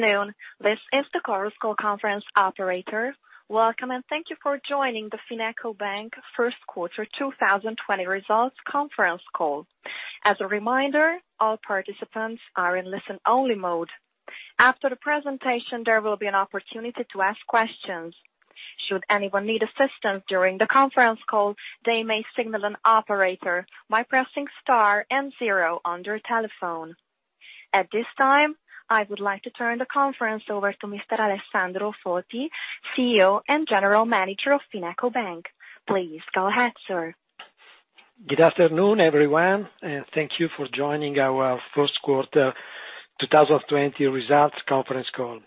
Afternoon. This is the conference call conference operator. Welcome, and thank you for joining the FinecoBank first quarter 2020 results conference call. As a reminder, all participants are in listen-only mode. After the presentation, there will be an opportunity to ask questions. Should anyone need assistance during the conference call, they may signal an operator by pressing star and zero on their telephone. At this time, I would like to turn the conference over to Mr. Alessandro Foti, CEO and General Manager of FinecoBank. Please go ahead, sir. Good afternoon, everyone, and thank you for joining our first quarter 2020 results conference call.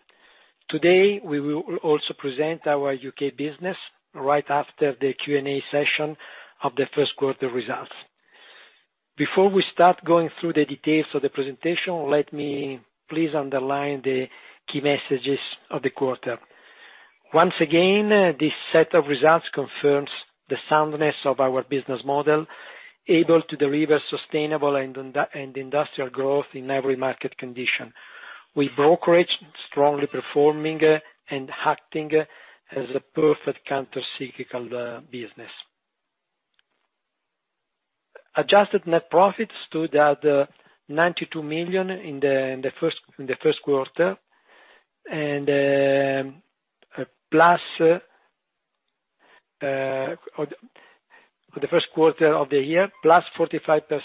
Today, we will also present our U.K. business right after the Q&A session of the first quarter results. Before we start going through the details of the presentation, let me please underline the key messages of the quarter. Once again, this set of results confirms the soundness of our business model, able to deliver sustainable and industrial growth in every market condition. With brokerage strongly performing and acting as a perfect counter-cyclical business. Adjusted net profits stood at 92 million in the first quarter of the year, plus 45%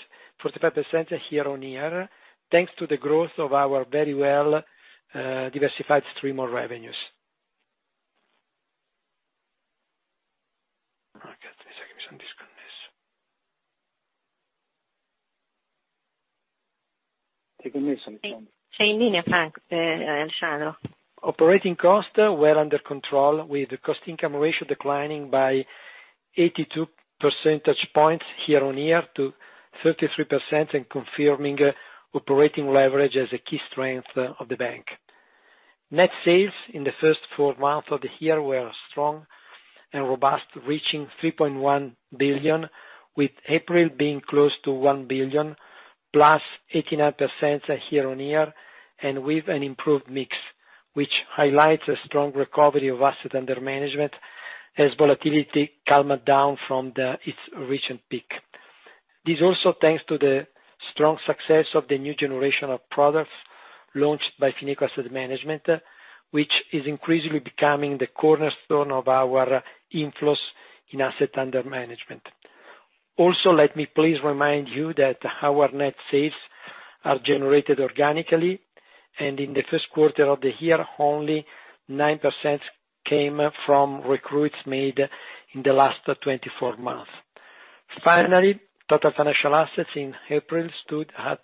year-on-year, thanks to the growth of our very well-diversified stream of revenues. Operating costs were under control, with cost-to-income ratio declining by 82 basis points year-on-year to 33% and confirming operating leverage as a key strength of the bank. Net sales in the first four months of the year were strong and robust, reaching 3.1 billion, with April being close to 1 billion, plus 89% year-on-year. With an improved mix, which highlights a strong recovery of assets under management as volatility calmed down from its recent peak. This also thanks to the strong success of the new generation of products launched by Fineco Asset Management, which is increasingly becoming the cornerstone of our inflows in assets under management. Also, let me please remind you that our net sales are generated organically, and in the first quarter of the year, only 9% came from recruits made in the last 24 months. Finally, total financial assets in April stood at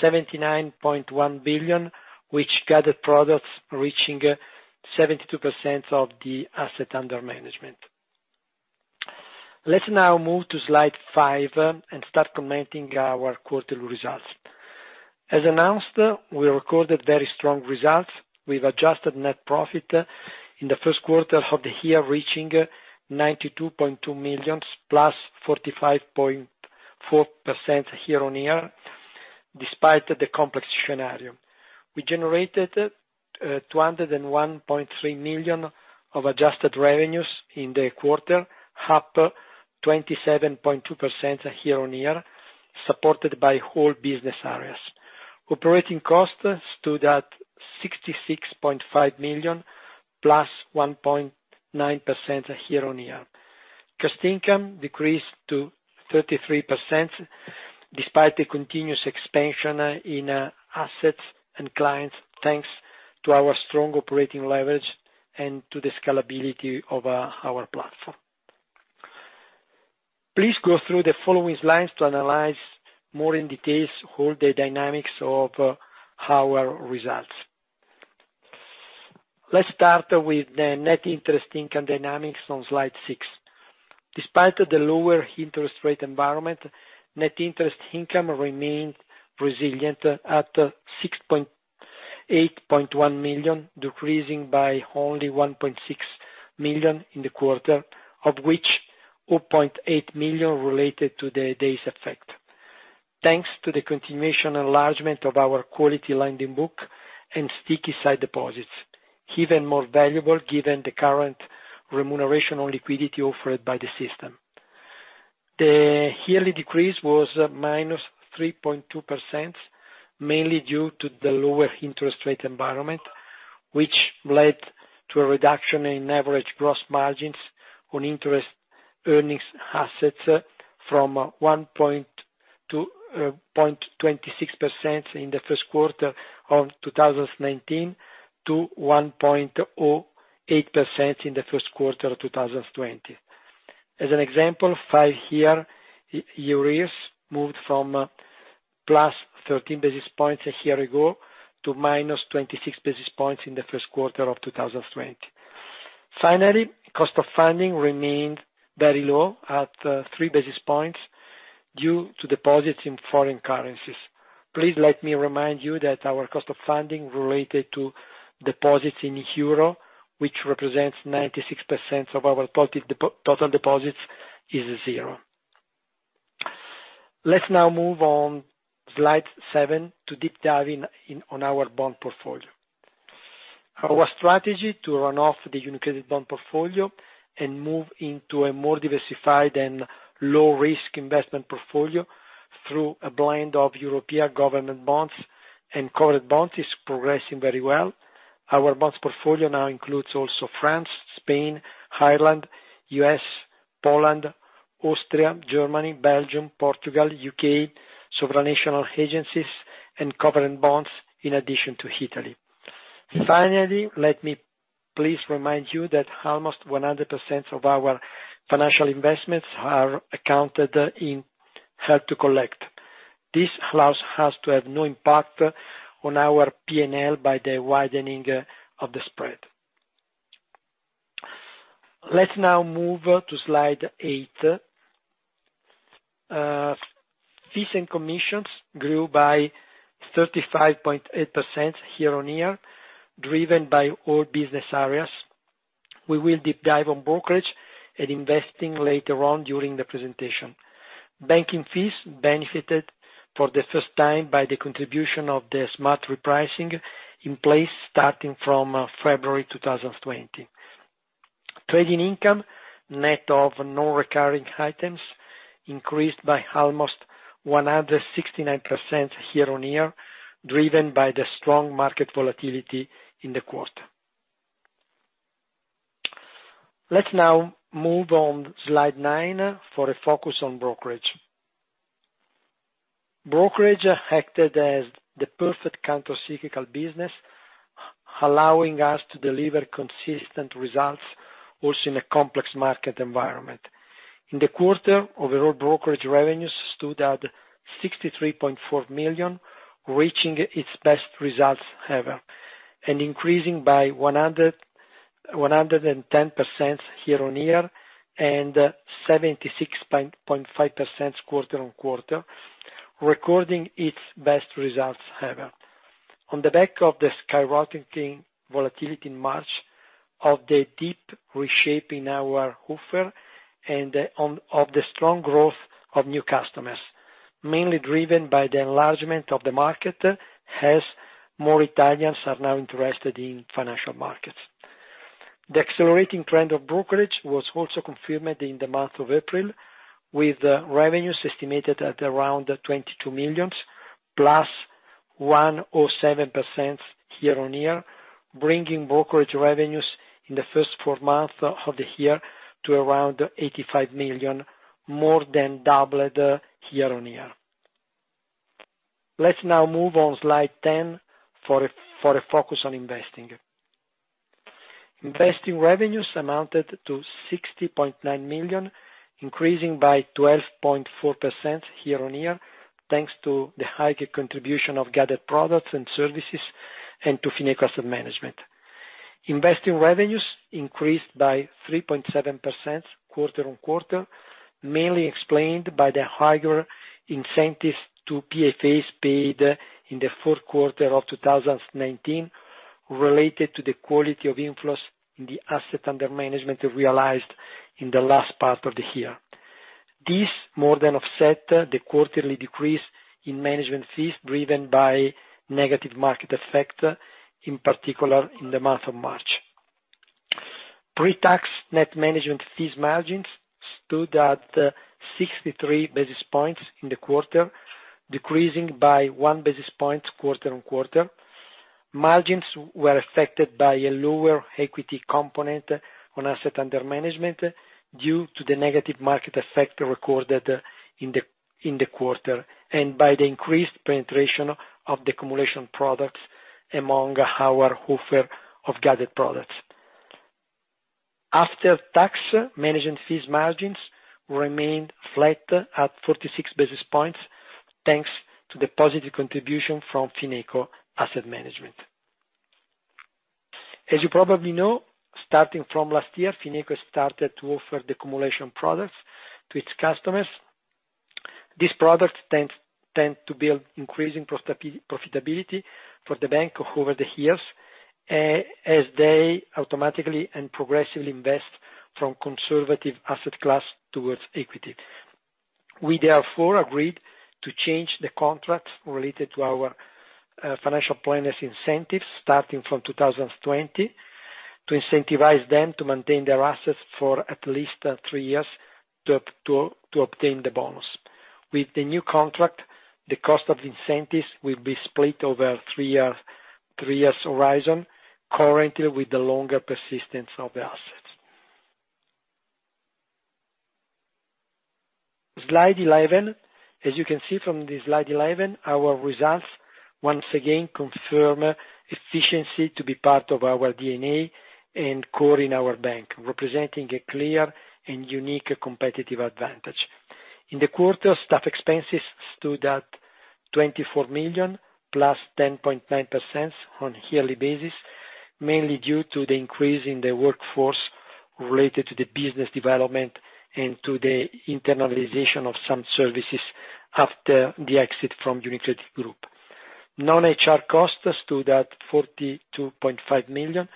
79.1 billion, with gathered products reaching 72% of the assets under management. Let's now move to slide five and start commenting our quarterly results. As announced, we recorded very strong results with adjusted net profit in the first quarter of the year, reaching 92.2 million, +45.4% year-on-year, despite the complex scenario. We generated 201.3 million of adjusted revenues in the quarter, up 27.2% year-on-year, supported by whole business areas. Operating costs stood at 66.5 million, +1.9% year-on-year. Cost-to-income ratio decreased to 33%, despite the continuous expansion in assets and clients, thanks to our strong operating leverage and to the scalability of our platform. Please go through the following slides to analyze more in detail all the dynamics of our results. Let's start with the net interest income dynamics on slide six. Despite the lower interest rate environment, net interest income remained resilient at 68.1 million, decreasing by only 1.6 million in the quarter, of which 0.8 million related to the days effect. Thanks to the continuous enlargement of our quality lending book and sticky side deposits, even more valuable given the current remuneration on liquidity offered by the system. The yearly decrease was -3.2%, mainly due to the lower interest rate environment, which led to a reduction in average gross margins on interest earning assets from 1.26% in the first quarter of 2019 to 1.08% in the first quarter of 2020. As an example, five-year EURIBOR moved from plus 13 basis points a year ago to -26 basis points in the first quarter of 2020. Finally, cost of funding remained very low at three basis points due to deposits in foreign currencies. Please let me remind you that our cost of funding related to deposits in euro, which represents 96% of our total deposits, is zero. Let's now move on slide seven to deep dive in on our bond portfolio. Our strategy to run off the UniCredit bond portfolio and move into a more diversified and low-risk investment portfolio through a blend of European government bonds and covered bonds is progressing very well. Our bonds portfolio now includes also France, Spain, Ireland, U.S., Poland, Austria, Germany, Belgium, Portugal, U.K., supranational agencies, and covered bonds, in addition to Italy. Finally, let me please remind you that almost 100% of our financial investments are accounted in held to collect. This allows us to have no impact on our P&L by the widening of the spread. Let's now move to slide eight. Fees and commissions grew by 35.8% year-on-year, driven by all business areas. We will deep dive on brokerage and investing later on during the presentation. Banking fees benefited for the first time by the contribution of the smart repricing in place starting from February 2020. Trading income, net of non-recurring items, increased by almost 169% year-on-year, driven by the strong market volatility in the quarter. Let's now move on slide nine for a focus on brokerage. Brokerage acted as the perfect counter-cyclical business, allowing us to deliver consistent results also in a complex market environment. In the quarter, overall brokerage revenues stood at 63.4 million, reaching its best results ever, and increasing by 110% year-on-year and 76.5% quarter-on-quarter, recording its best results ever. On the back of the skyrocketing volatility in March of the deep reshaping our offer of the strong growth of new customers, mainly driven by the enlargement of the market as more Italians are now interested in financial markets. The accelerating trend of brokerage was also confirmed in the month of April, with revenues estimated at around 22 million, +107% year-on-year, bringing brokerage revenues in the first four months of the year to around 85 million, more than doubled year-on-year. Let's now move on slide 10 for a focus on investing. Investing revenues amounted to 60.9 million, increasing by 12.4% year-on-year, thanks to the higher contribution of gathered products and services and to Fineco Asset Management. Investing revenues increased by 3.7% quarter-on-quarter, mainly explained by the higher incentives to PFAs paid in the fourth quarter of 2019, related to the quality of inflows in the asset under management realized in the last part of the year. This more than offset the quarterly decrease in management fees, driven by negative market effect, in particular in the month of March. Pre-tax net management fees margins stood at 63 basis points in the quarter, decreasing by one basis point quarter-on-quarter. Margins were affected by a lower equity component on asset under management due to the negative market effect recorded in the quarter and by the increased penetration of the decumulation products among our offer of gathered products. After-tax management fees margins remained flat at 46 basis points, thanks to the positive contribution from Fineco Asset Management. As you probably know, starting from last year, Fineco started to offer the decumulation products to its customers. These products tend to build increasing profitability for the bank over the years, as they automatically and progressively invest from conservative asset class toward equity. We, therefore, agreed to change the contracts related to our financial planners incentives starting from 2020 to incentivize them to maintain their assets for at least three years to obtain the bonus. With the new contract, the cost of incentives will be split over three years horizon, currently with the longer persistence of the assets. Slide 11. As you can see from the slide 11, our results once again confirm efficiency to be part of our DNA and core in our bank, representing a clear and unique competitive advantage. In the quarter, staff expenses stood at 24 million, plus 10.9% on a yearly basis, mainly due to the increase in the workforce related to the business development and to the internalization of some services after the exit from UniCredit Group. Non-HR costs stood at 42.5 million,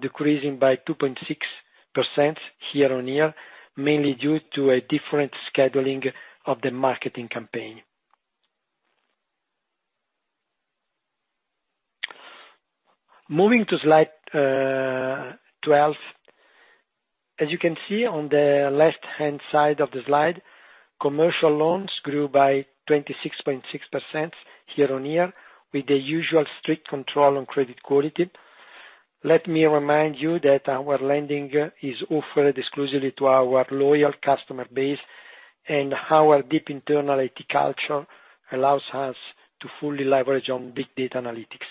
decreasing by 2.6% year-on-year, mainly due to a different scheduling of the marketing campaign. Moving to slide 12. As you can see on the left-hand side of the slide, commercial loans grew by 26.6% year-on-year with the usual strict control on credit quality. Let me remind you that our lending is offered exclusively to our loyal customer base, and our deep internal IT culture allows us to fully leverage on big data analytics.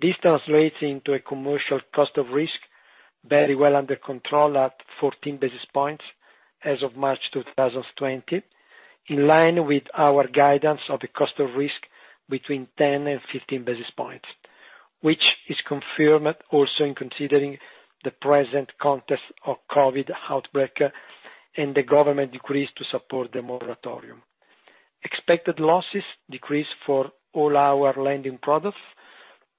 This translates into a commercial cost of risk very well under control at 14 basis points as of March 2020, in line with our guidance of the cost of risk between 10 and 15 basis points, which is confirmed also in considering the present context of COVID outbreak and the government decrees to support the moratorium. Expected losses decreased for all our lending products,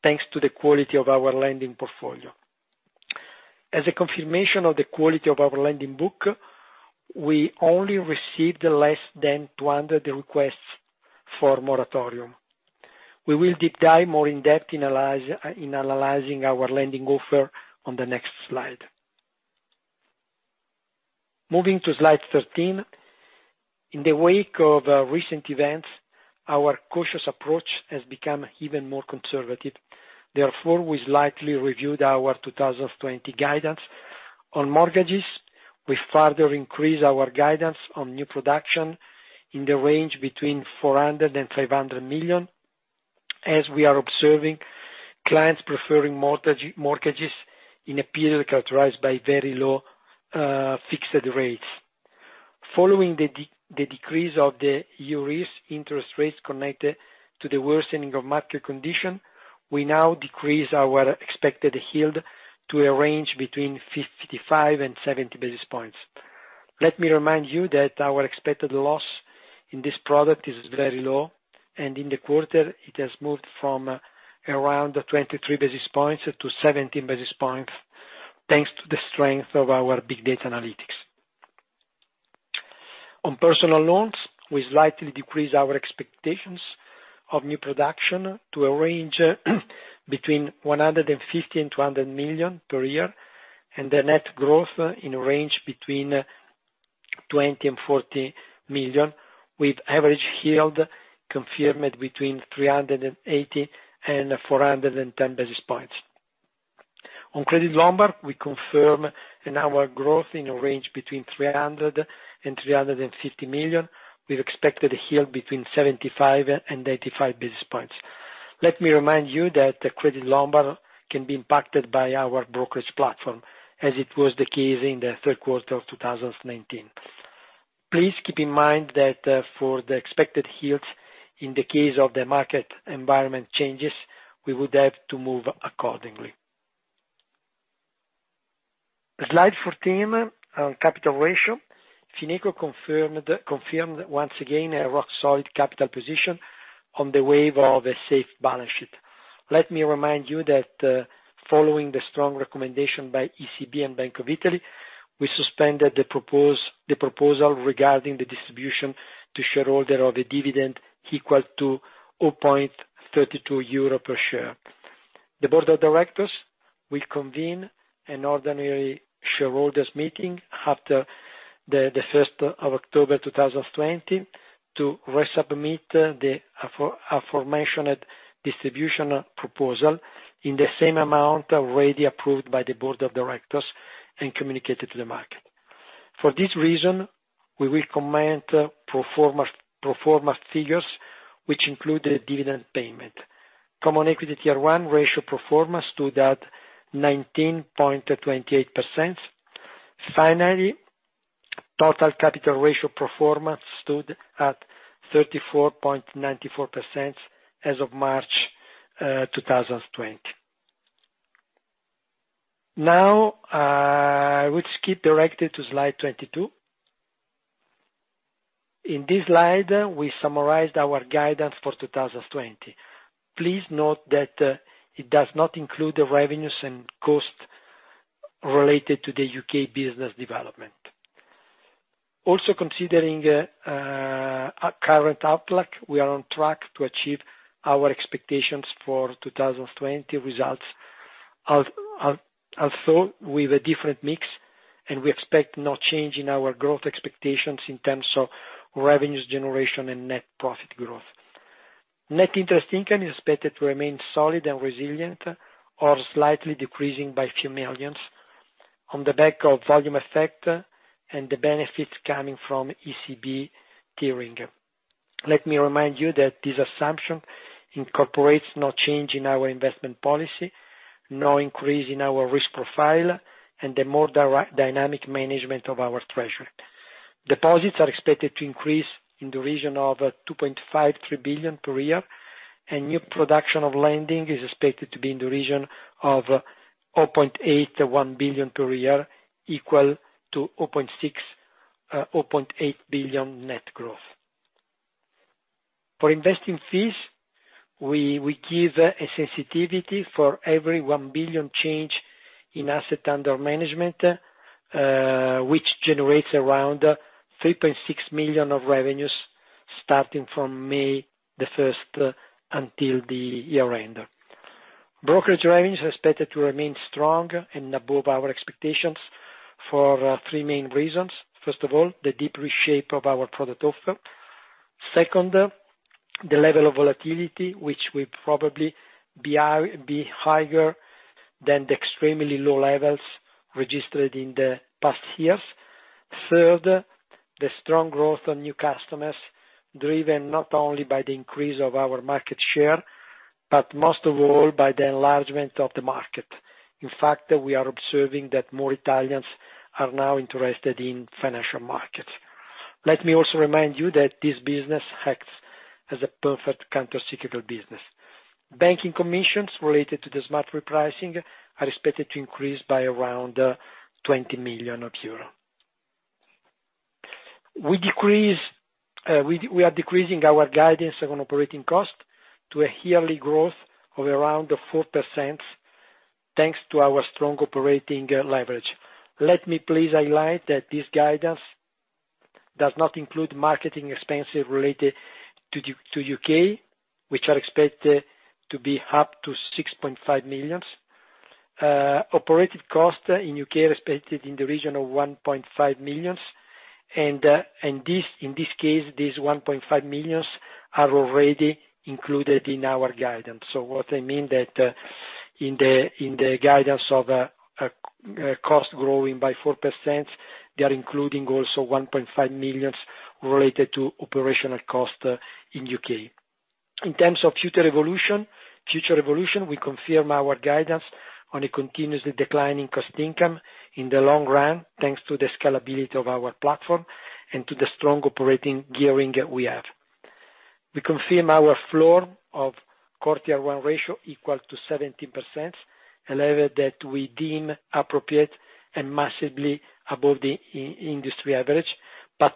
thanks to the quality of our lending portfolio. As a confirmation of the quality of our lending book, we only received less than 200 requests for moratorium. We will deep dive more in depth in analyzing our lending offer on the next slide. Moving to slide 13. In the wake of recent events, our cautious approach has become even more conservative. Therefore, we slightly reviewed our 2020 guidance. On mortgages, we further increased our guidance on new production in the range between 400 million-500 million, as we are observing clients preferring mortgages in a period characterized by very low fixed rates. Following the decrease of the EURIBOR interest rates connected to the worsening of market condition, we now decrease our expected yield to a range between 55-70 basis points. Let me remind you that our expected loss in this product is very low, and in the quarter, it has moved from around 23 basis points to 17 basis points, thanks to the strength of our big data analytics. On personal loans, we slightly decreased our expectations of new production to a range between 150 million-200 million per year, and the net growth in a range between 20 million-40 million, with average yield confirmed between 380-410 basis points. On Credit Lombard, we confirm an annual growth in a range between 300 million and 350 million. We've expected a yield between 75 and 95 basis points Let me remind you that the Credit Lombard can be impacted by our brokerage platform, as it was the case in the third quarter of 2019. Please keep in mind that for the expected yields, in the case of the market environment changes, we would have to move accordingly. Slide 14 on capital ratio. Fineco confirmed once again a rock-solid capital position on the wave of a safe balance sheet. Let me remind you that following the strong recommendation by ECB and Bank of Italy, we suspended the proposal regarding the distribution to shareholder of a dividend equal to 0.32 euro per share. The board of directors will convene an ordinary shareholders meeting after the 1st of October 2020 to resubmit the aforementioned distribution proposal in the same amount already approved by the board of directors and communicate it to the market. For this reason, we will comment pro forma figures, which include the dividend payment. Common Equity Tier 1 ratio pro forma stood at 19.28%. Finally, total capital ratio pro forma stood at 34.94% as of March 2020. Now, I would skip directly to slide 22. In this slide, we summarized our guidance for 2020. Please note that it does not include the revenues and cost related to the U.K. business development. Also, considering our current outlook, we are on track to achieve our expectations for 2020 results, although with a different mix, and we expect no change in our growth expectations in terms of revenues generation and net profit growth. Net interest income is expected to remain solid and resilient or slightly decreasing by EUR a few millions, on the back of volume effect and the benefits coming from ECB tiering. Let me remind you that this assumption incorporates no change in our investment policy, no increase in our risk profile, and the more dynamic management of our treasury. Deposits are expected to increase in the region of 2.5 billion-3 billion per year, and new production of lending is expected to be in the region of 0.8 billion-1 billion per year, equal to 0.6 billion-0.8 billion net growth. For investing fees, we give a sensitivity for every 1 billion change in asset under management, which generates around 3.6 million of revenues starting from May the 1st until the year end. Brokerage revenue is expected to remain strong and above our expectations for three main reasons. First of all, the deep reshape of our product offer. Second, the level of volatility, which will probably be higher than the extremely low levels registered in the past years. Third, the strong growth on new customers, driven not only by the increase of our market share, but most of all by the enlargement of the market. In fact, we are observing that more Italians are now interested in financial markets. Let me also remind you that this business acts as a perfect counter-cyclical business. Banking commissions related to the smart repricing are expected to increase by around 20 million euro. We are decreasing our guidance on operating cost to a yearly growth of around 4%, thanks to our strong operating leverage. Let me please highlight that this guidance does not include marketing expenses related to U.K., which are expected to be up to 6.5 million. Operating costs in U.K. are expected in the region of 1.5 million. In this case, these 1.5 million are already included in our guidance. What I mean that in the guidance of cost growing by 4%, they are including also 1.5 million related to operational cost in U.K. In terms of future evolution, we confirm our guidance on a continuously declining cost income in the long run. Thanks to the scalability of our platform and to the strong operating gearing that we have. We confirm our floor of Core Tier 1 ratio equal to 17%, a level that we deem appropriate and massively above the industry average.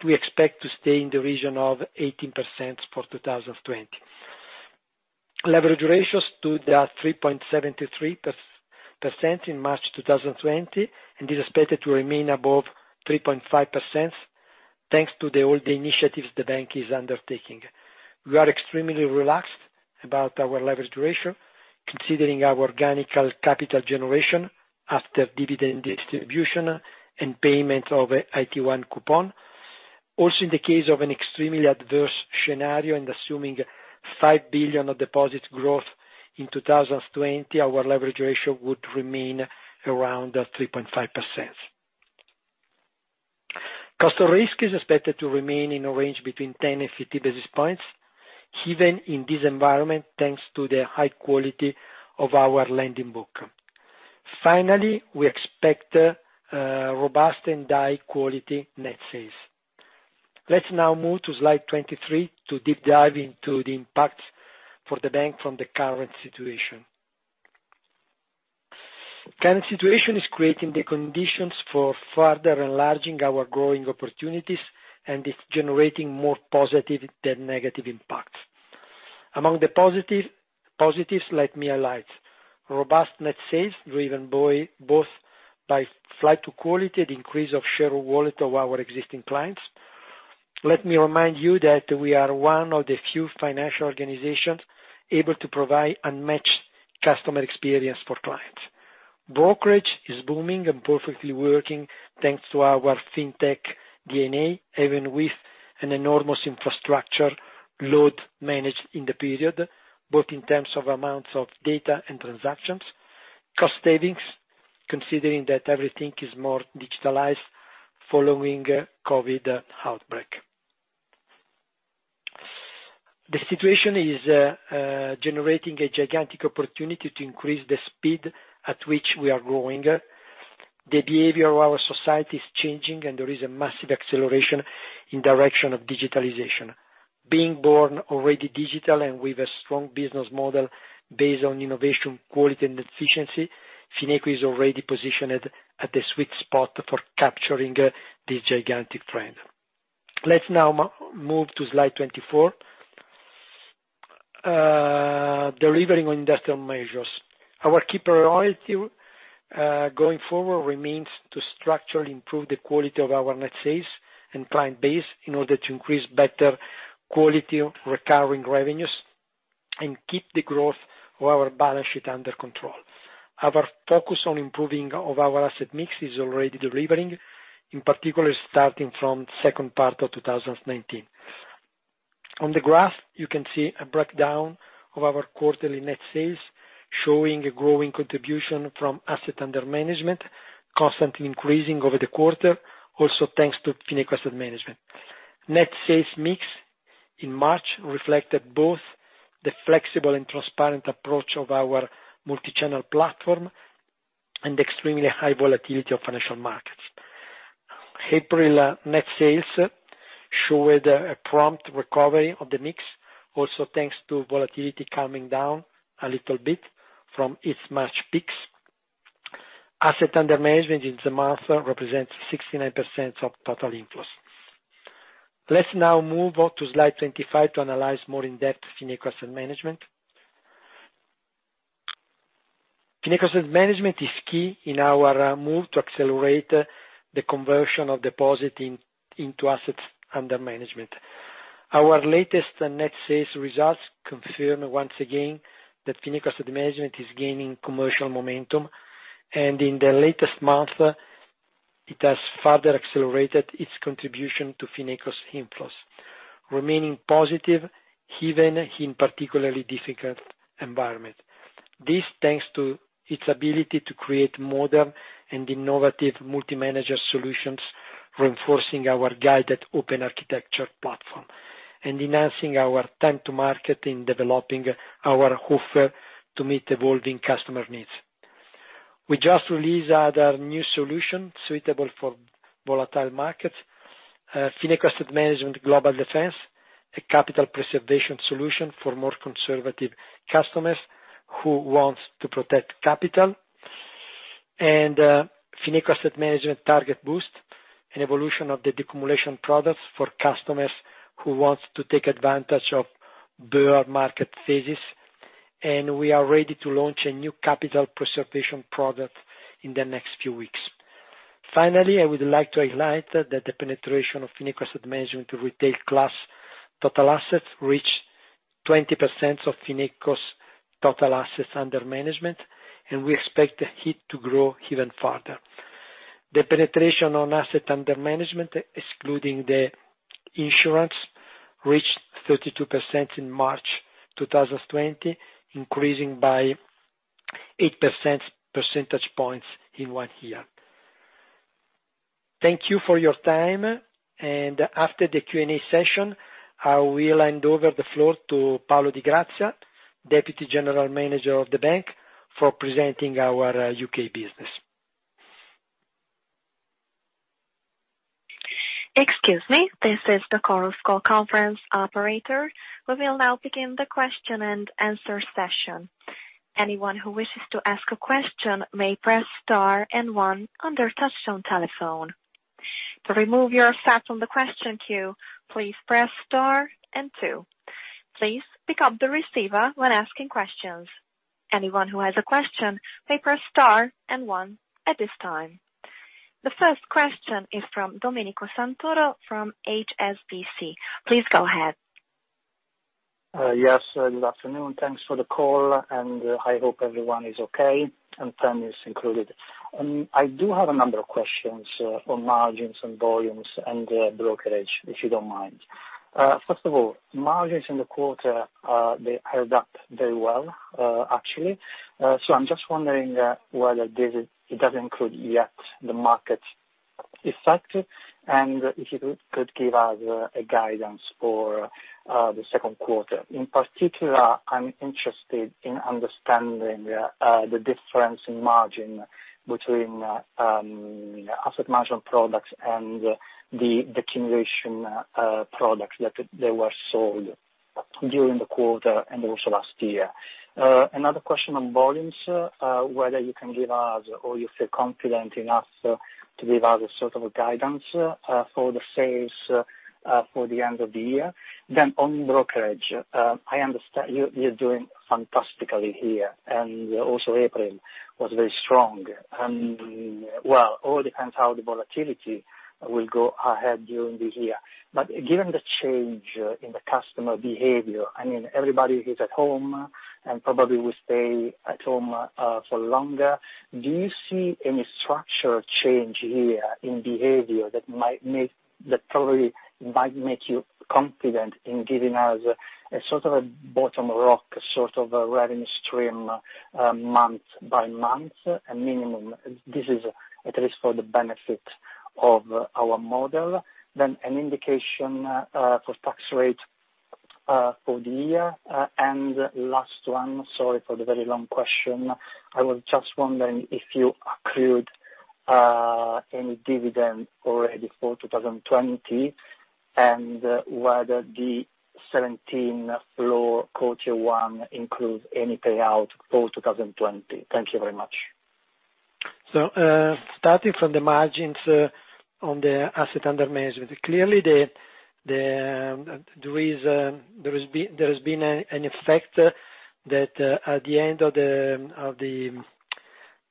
We expect to stay in the region of 18% for 2020. Leverage ratios stood at 3.73% in March 2020, and is expected to remain above 3.5%, thanks to all the initiatives the bank is undertaking. We are extremely relaxed about our organic capital generation after dividend distribution and payment of AT1 coupon. Also, in the case of an extremely adverse scenario and assuming 5 billion of deposit growth in 2020, our leverage ratio would remain around 3.5%. Cost of risk is expected to remain in a range between 10 and 15 basis points. Even in this environment, thanks to the high quality of our lending book. Finally, we expect robust and high-quality net sales. Let's now move to slide 23 to deep dive into the impact for the bank from the current situation. Current situation is creating the conditions for further enlarging our growing opportunities and is generating more positive than negative impacts. Among the positives, let me highlight: robust net sales driven both by flight to quality, the increase of share of wallet of our existing clients. Let me remind you that we are one of the few financial organizations able to provide unmatched customer experience for clients. Brokerage is booming and perfectly working thanks to our fintech DNA, even with an enormous infrastructure load managed in the period, both in terms of amounts of data and transactions. Cost savings, considering that everything is more digitalized following COVID outbreak, the situation is generating a gigantic opportunity to increase the speed at which we are growing. The behavior of our society is changing and there is a massive acceleration in direction of digitalization. Being born already digital and with a strong business model based on innovation, quality, and efficiency, Fineco is already positioned at the sweet spot for capturing this gigantic trend. Let's now move to slide 24. Delivering on industrial measures. Our key priority, going forward, remains to structurally improve the quality of our net sales and client base in order to increase better quality recurring revenues and keep the growth of our balance sheet under control. Our focus on improving of our asset mix is already delivering, in particular, starting from second part of 2019. On the graph, you can see a breakdown of our quarterly net sales, showing a growing contribution from asset under management, constantly increasing over the quarter, also thanks to Fineco Asset Management. Net sales mix in March reflected both the flexible and transparent approach of our multi-channel platform and extremely high volatility of financial markets. April net sales showed a prompt recovery of the mix, also thanks to volatility calming down a little bit from its March peaks. Asset under management in the month represents 69% of total inflows. Let's now move on to slide 25 to analyze more in-depth Fineco Asset Management. Fineco Asset Management is key in our move to accelerate the conversion of depositing into assets under management. Our latest net sales results confirm once again that Fineco Asset Management is gaining commercial momentum. In the latest month it has further accelerated its contribution to Fineco's inflows, remaining positive even in particularly difficult environment. This thanks to its ability to create modern and innovative multi-manager solutions, reinforcing our guided open architecture platform and enhancing our time to market in developing our offer to meet evolving customer needs. We just released another new solution suitable for volatile markets, Fineco Asset Management Global Defense, a capital preservation solution for more conservative customers who want to protect capital, and Fineco Asset Management Target Boost, an evolution of the decumulation products for customers who want to take advantage of bear market phases. We are ready to launch a new capital preservation product in the next few weeks. Finally, I would like to highlight that the penetration of Fineco Asset Management retail class total assets reached 20% of Fineco's total assets under management, and we expect it to grow even further. The penetration on assets under management, excluding the insurance, reached 32% in March 2020, increasing by eight percentage points in one year. Thank you for your time, after the Q&A session, I will hand over the floor to Paolo Di Grazia, Deputy General Manager of the bank, for presenting our U.K. business. Excuse me, this is the conference call conference operator. We will now begin the question and answer session. Anyone who wishes to ask a question may press star and one on their touch-tone telephone. To remove yourself from the question queue, please press star and two. Please pick up the receiver when asking questions. Anyone who has a question may press star and one at this time. The first question is from Domenico Santoro from HSBC. Please go ahead. Yes. Good afternoon. Thanks for the call. I hope everyone is okay, and family is included. I do have a number of questions on margins and volumes and brokerage, if you don't mind. First of all, margins in the quarter, they held up very well actually. I'm just wondering whether this doesn't include yet the market effect. If you could give us a guidance for the second quarter. In particular, I'm interested in understanding the difference in margin between asset management products and the decumulation products that they were sold during the quarter and also last year. Another question on volumes, whether you can give us or you feel confident enough to give us a sort of a guidance for the sales for the end of the year. On brokerage, I understand you're doing fantastically here. Also April was very strong. Well, all depends how the volatility will go ahead during the year. Given the change in the customer behavior, everybody is at home and probably will stay at home for longer. Do you see any structural change here in behavior that probably might make you confident in giving us a bottom rock sort of a revenue stream month by month minimum? This is at least for the benefit of our model. An indication for tax rate for the year. Last one, sorry for the very long question. I was just wondering if you accrued any dividend already for 2020, and whether the 17 floor Core Tier 1 includes any payout for 2020. Thank you very much. Starting from the margins on the asset under management. Clearly there has been an effect that at the end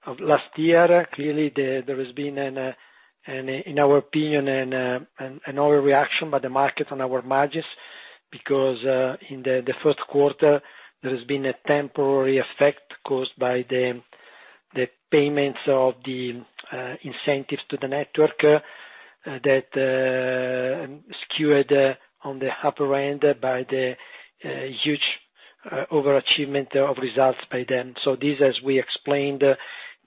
of last year, clearly there has been, in our opinion, an overreaction by the market on our margins because, in the first quarter, there has been a temporary effect caused by the payments of the incentives to the network that skewed on the upper end by the huge overachievement of results by them. This, as we explained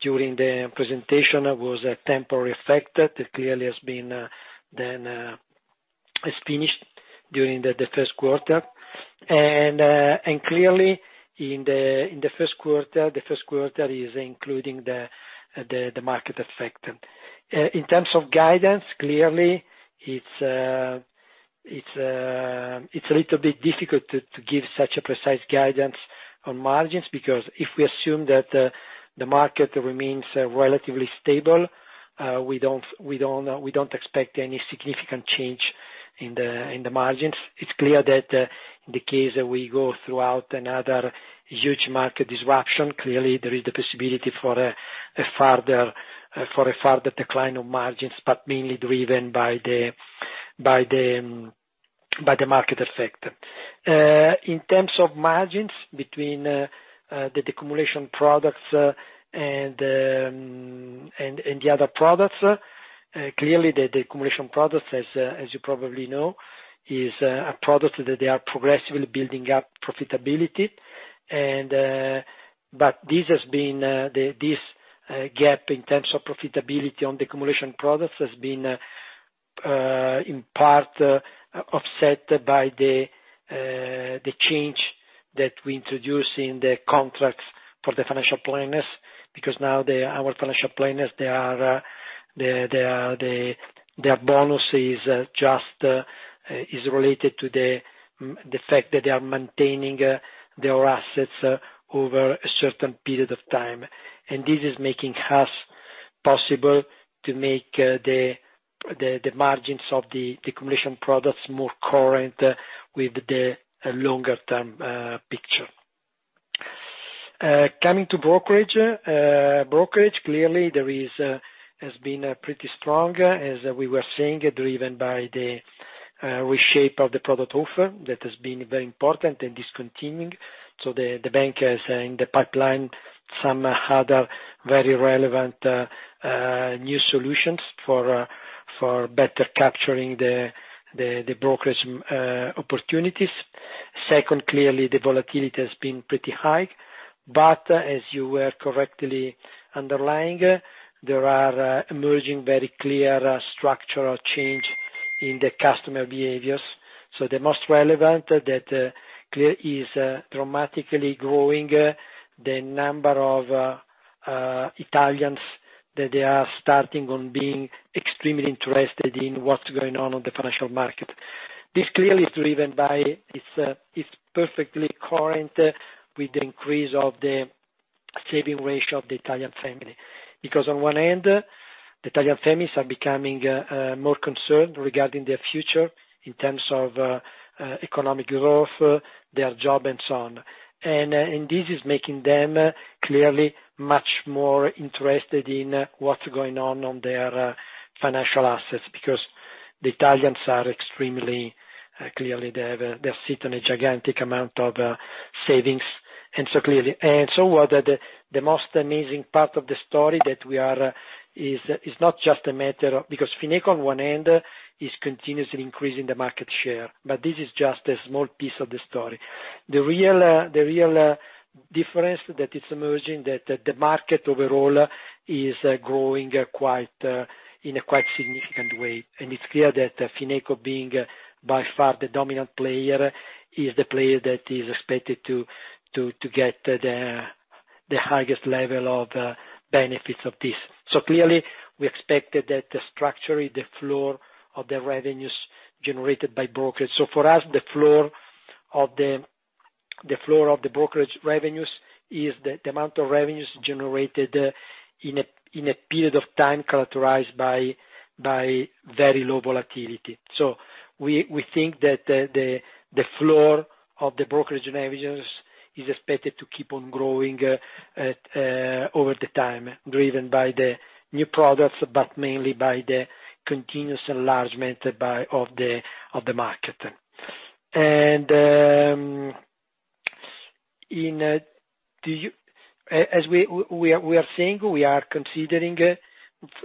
during the presentation, was a temporary effect that clearly has finished during the first quarter. Clearly, in the first quarter, the first quarter is including the market effect. In terms of guidance, clearly It's a little bit difficult to give such a precise guidance on margins, because if we assume that the market remains relatively stable. We don't expect any significant change in the margins. It's clear that in the case that we go throughout another huge market disruption, clearly there is the possibility for a further decline of margins, but mainly driven by the market effect. In terms of margins between the decumulation products and the other products. Clearly, the decumulation products, as you probably know, is a product that they are progressively building up profitability. This gap in terms of profitability on decumulation products has been, in part, offset by the change that we introduced in the contracts for the financial planners. Now, our financial planners, their bonus is related to the fact that they are maintaining their assets over a certain period of time. This is making us possible to make the margins of the decumulation products more coherent with the longer term picture. Coming to brokerage. Brokerage, clearly, has been pretty strong, as we were saying, driven by the reshape of the product offer. That has been very important and is continuing. The bank has in the pipeline some other very relevant new solutions for better capturing the brokerage opportunities. Second, clearly, the volatility has been pretty high. As you were correctly underlining, there are emerging very clear structural change in the customer behaviors. The most relevant that clear is dramatically growing the number of Italians, that they are starting on being extremely interested in what's going on on the financial market. This clearly is perfectly coherent with the increase of the saving ratio of the Italian family. On one end, the Italian families are becoming more concerned regarding their future in terms of economic growth, their job, and so on. This is making them clearly much more interested in what's going on their financial assets, because the Italians, extremely clearly, they have sit on a gigantic amount of savings. The most amazing part of the story is not just a matter of Because Fineco, on one end, is continuously increasing the market share. This is just a small piece of the story. The real difference that is emerging, that the market overall is growing in a quite significant way. It's clear that Fineco, being by far the dominant player, is the player that is expected to get the highest level of benefits of this. Clearly, we expected that structurally, the floor of the revenues generated by brokerage. For us, the floor of the brokerage revenues is the amount of revenues generated in a period of time characterized by very low volatility. We think that the floor of the brokerage revenues is expected to keep on growing over the time, driven by the new products, but mainly by the continuous enlargement of the market. As we are saying,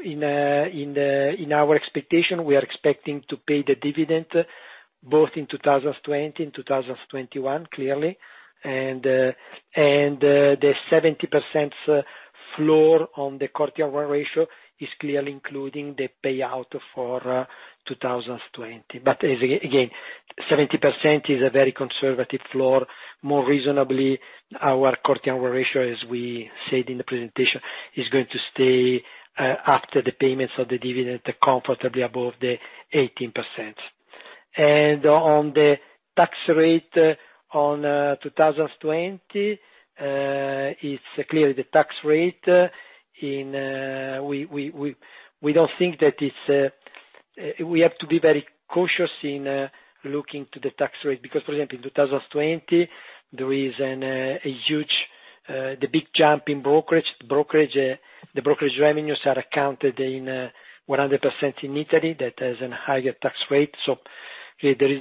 in our expectation, we are expecting to pay the dividend both in 2020 and 2021, clearly. The 17% floor on the Core Tier 1 ratio is clearly including the payout for 2020. Again, 17% is a very conservative floor. More reasonably, our Core Tier 1 ratio, as we said in the presentation, is going to stay after the payments of the dividend comfortably above the 18%. On the tax rate on 2020, it's clearly the tax rate. We have to be very cautious in looking to the tax rate, because, for example, in 2020, there is the big jump in brokerage. The brokerage revenues are accounted in 100% in Italy. That has an higher tax rate. Probably,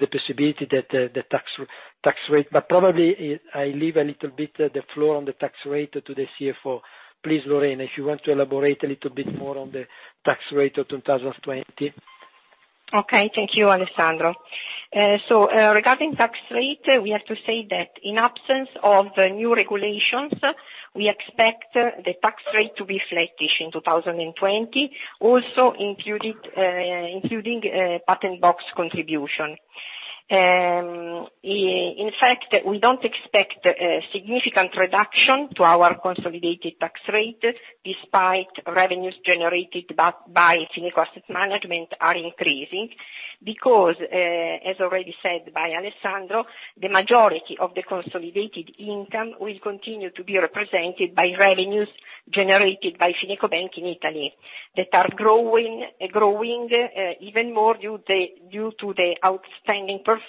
I leave a little bit the floor on the tax rate to the CFO. Please, Lorena, if you want to elaborate a little bit more on the tax rate of 2020. Thank you, Alessandro. Regarding tax rate, we have to say that in absence of new regulations, we expect the tax rate to be flattish in 2020, also including Patent Box contribution. We don't expect a significant reduction to our consolidated tax rate despite revenues generated by Fineco Asset Management are increasing because, as already said by Alessandro, the majority of the consolidated income will continue to be represented by revenues generated by FinecoBank in Italy, that are growing even more due to the outstanding performance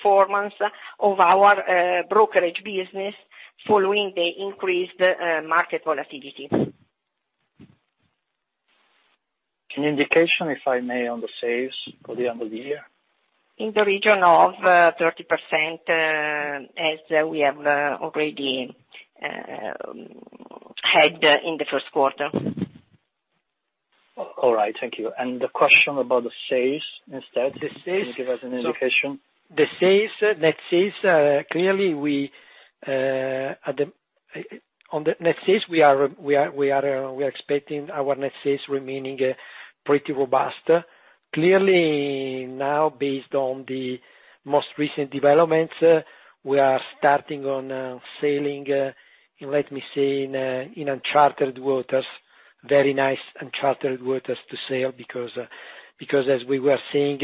of our brokerage business following the increased market volatility. Can indication, if I may, on the sales for the end of the year? In the region of 30% as we have already had in the first quarter. All right. Thank you. The question about the sales instead. Can you give us an indication? The net sales, we are expecting our net sales remaining pretty robust. Clearly now, based on the most recent developments, we are starting on sailing, let me say, in unchartered waters, very nice unchartered waters to sail because as we were saying,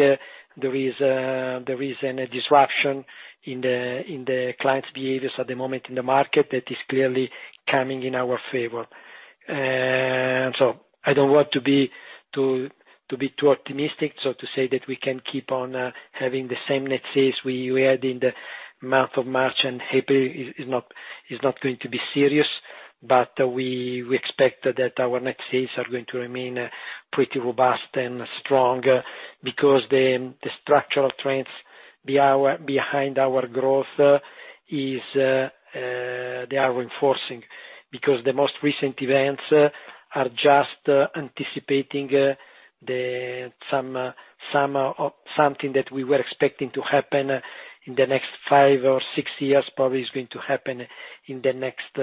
there is a disruption in the clients' behaviors at the moment in the market that is clearly coming in our favor. I don't want to be too optimistic. To say that we can keep on having the same net sales we had in the month of March and April is not going to be serious, but we expect that our net sales are going to remain pretty robust and strong because the structural trends behind our growth, they are reinforcing. The most recent events are just anticipating something that we were expecting to happen in the next five or six years probably is going to happen in the next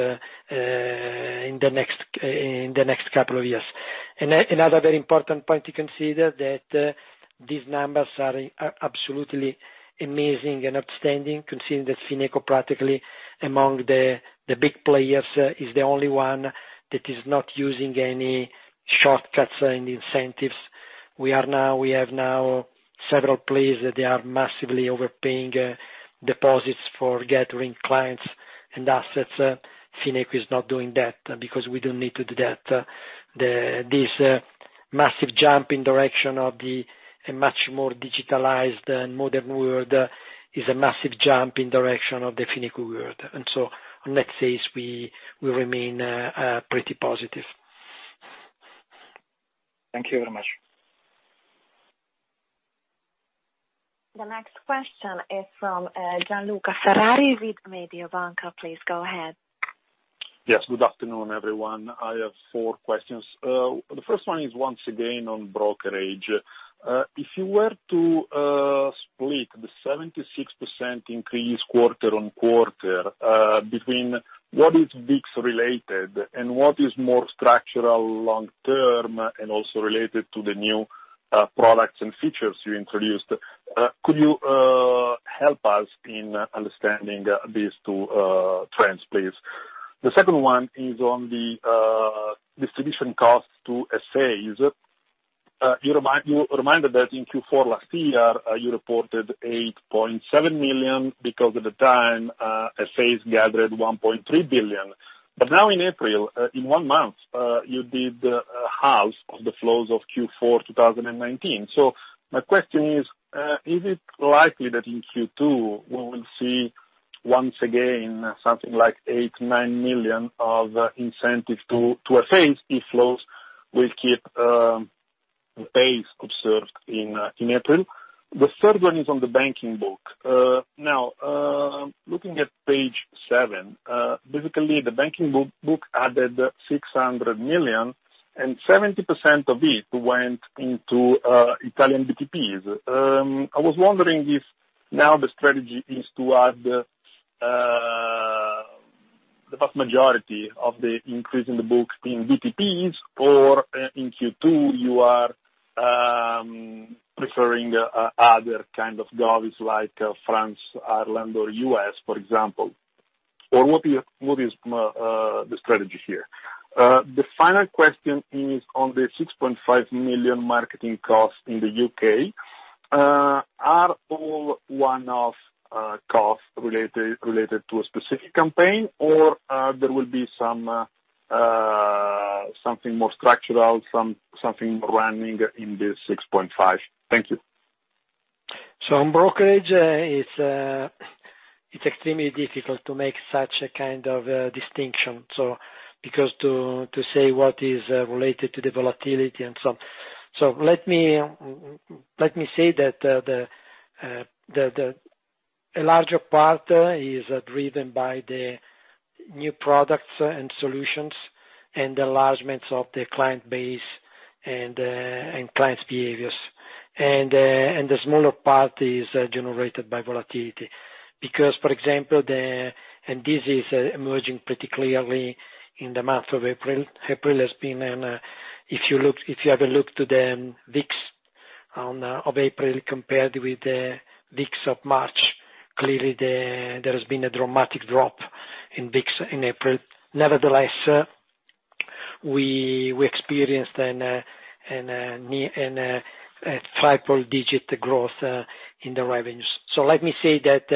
couple of years. Another very important point to consider that these numbers are absolutely amazing and outstanding considering that Fineco practically among the big players is the only one that is not using any shortcuts, any incentives. We have now several players that they are massively overpaying deposits for gathering clients and assets. Fineco is not doing that because we don't need to do that. This massive jump in direction of the much more digitalized and modern world is a massive jump in direction of the Fineco world. On net sales we remain pretty positive. Thank you very much. The next question is from Gianluca Ferrari with Mediobanca. Please go ahead. Yes. Good afternoon, everyone. I have four questions. The first one is once again on brokerage. If you were to split the 76% increase quarter on quarter, between what is VIX related and what is more structural long term, and also related to the new products and features you introduced, could you help us in understanding these two trends, please? The second one is on the distribution costs to FAs. You reminded that in Q4 last year, you reported 8.7 million because at the time, FAs gathered 1.3 billion. Now in April, in one month, you did half of the flows of Q4 2019. My question is it likely that in Q2, we will see once again, something like 8 million-9 million of incentive to FAs if flows will keep pace observed in April? The third one is on the banking book. Looking at page seven, basically the banking book added 600 million, and 17% of it went into Italian BTPs. I was wondering if now the strategy is to add the vast majority of the increase in the book in BTPs, or in Q2 you are preferring other kind of govies like France, Ireland, or U.S., for example. What is the strategy here? The final question is on the 6.5 million marketing cost in the U.K. Are all one-off costs related to a specific campaign or there will be something more structural, something running in the 6.5 million? Thank you. On brokerage, it's extremely difficult to make such a kind of distinction. Because to say what is related to the volatility and so on. Let me say that a larger part is driven by the new products and solutions and enlargements of the client base and clients' behaviors. The smaller part is generated by volatility. Because, for example, this is emerging pretty clearly in the month of April. April has been, if you have a look to the VIX of April compared with the VIX of March, clearly there has been a dramatic drop in VIX in April. Nevertheless, we experienced a triple digit growth in the revenues. Let me say that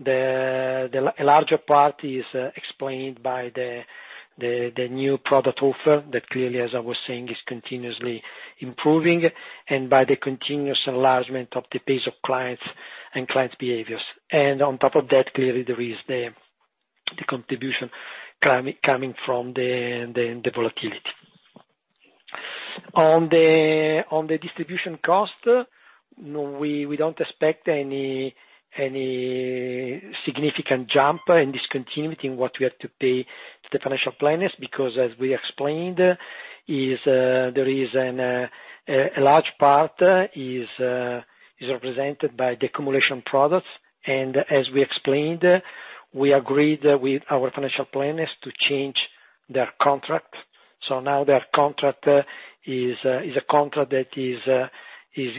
the larger part is explained by the new product offer that clearly, as I was saying, is continuously improving, and by the continuous enlargement of the base of clients and clients' behaviors. On top of that, clearly there is the contribution coming from the volatility. On the distribution cost, no, we don't expect any significant jump in discontinuity in what we have to pay to the financial planners because as we explained, a large part is represented by the decumulation products. As we explained, we agreed with our financial planners to change their contract. Now their contract is a contract that is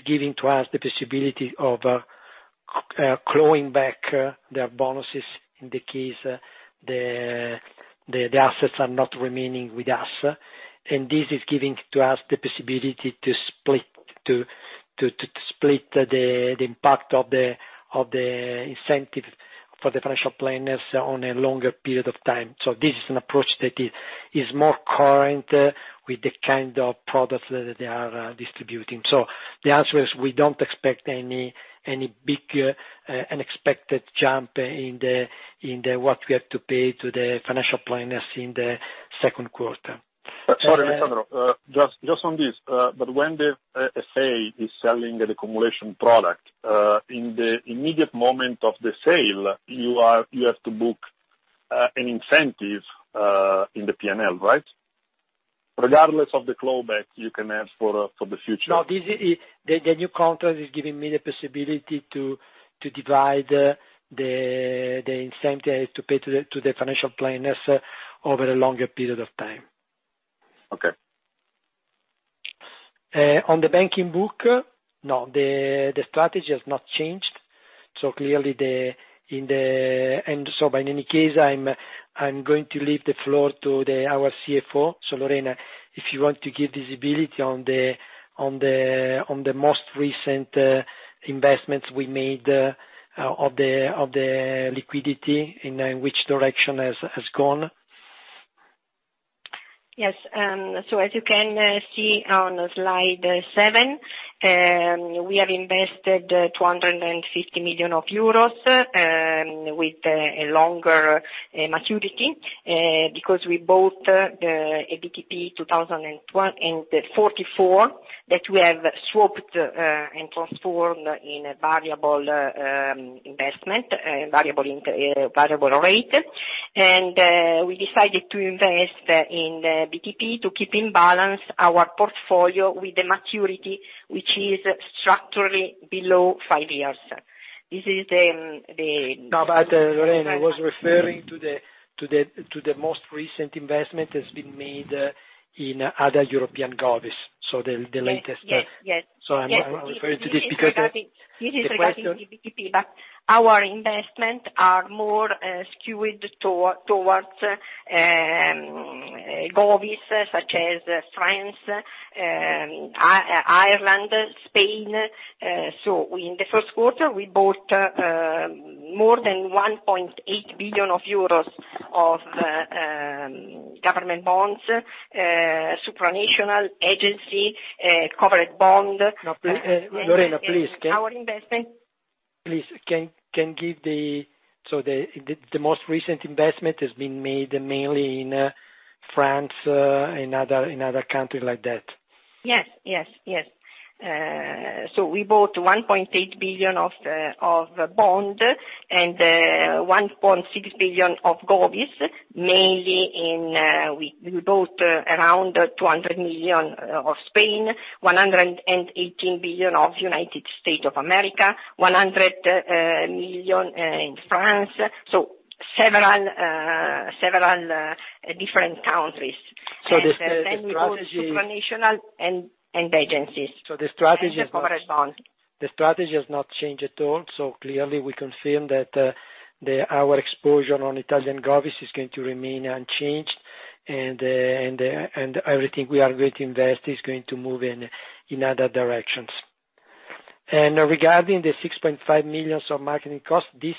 giving to us the possibility of clawing back their bonuses in the case the assets are not remaining with us. This is giving to us the possibility to split the impact of the incentive for the financial planners on a longer period of time. This is an approach that is more coherent with the kind of products that they are distributing. The answer is, we don't expect any big unexpected jump in what we have to pay to the financial planners in the second quarter. Sorry, Alessandro. Just on this, when the FA is selling the accumulation product, in the immediate moment of the sale, you have to book an incentive in the P&L, right? Regardless of the claw back you can ask for the future. No, the new contract is giving me the possibility to divide the incentive to pay to the financial planners over a longer period of time. Okay. On the banking book, no, the strategy has not changed. By any case, I'm going to leave the floor to our CFO. Lorena, if you want to give visibility on the most recent investments we made of the liquidity, and in which direction has gone. Yes. As you can see on slide seven, we have invested 250 million euros, with a longer maturity, because we bought the BTP 2041 and BTP 2044 that we have swapped and transformed in a variable investment, variable rate. We decided to invest in the BTP to keep in balance our portfolio with the maturity, which is structurally below five years. No, Lorena, I was referring to the most recent investment that's been made in other European govies. I'm referring to this because the question. This is regarding BTP, but our investment are more skewed towards govies such as France, Ireland, Spain. In the first quarter, we bought more than 1.8 billion euros of government bonds, supranational agency covered bond. Lorena, please. Our investment. Please, the most recent investment has been made mainly in France, in other countries like that. Yes. We bought 1.8 billion of bond and 1.6 billion of govies, mainly we bought around 200 million of Spain, 118 million of United States of America, 100 million in France. Several different countries. We bought supranational and agencies, and the covered bond. The strategy has not changed at all. Clearly we confirm that our exposure on Italian govies is going to remain unchanged and everything we are going to invest is going to move in other directions. Regarding the 6.5 million of marketing cost, the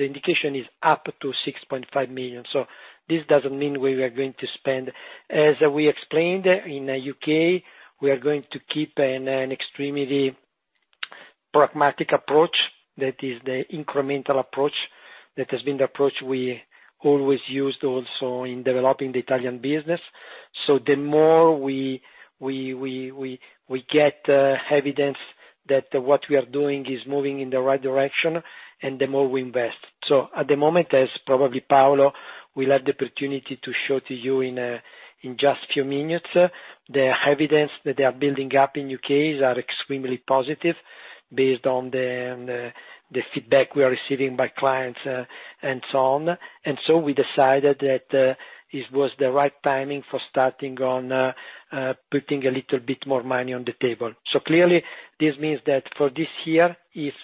indication is up to 6.5 million. This doesn't mean we are going to spend. As we explained, in U.K., we are going to keep an extremely pragmatic approach, that is the incremental approach. That has been the approach we always used also in developing the Italian business. The more we get evidence that what we are doing is moving in the right direction, and the more we invest. At the moment, as probably Paolo will have the opportunity to show to you in just few minutes, the evidence that they are building up in U.K. are extremely positive. Based on the feedback we are receiving by clients and so on. We decided that it was the right timing for starting on putting a little bit more money on the table. Clearly, this means that for this year, if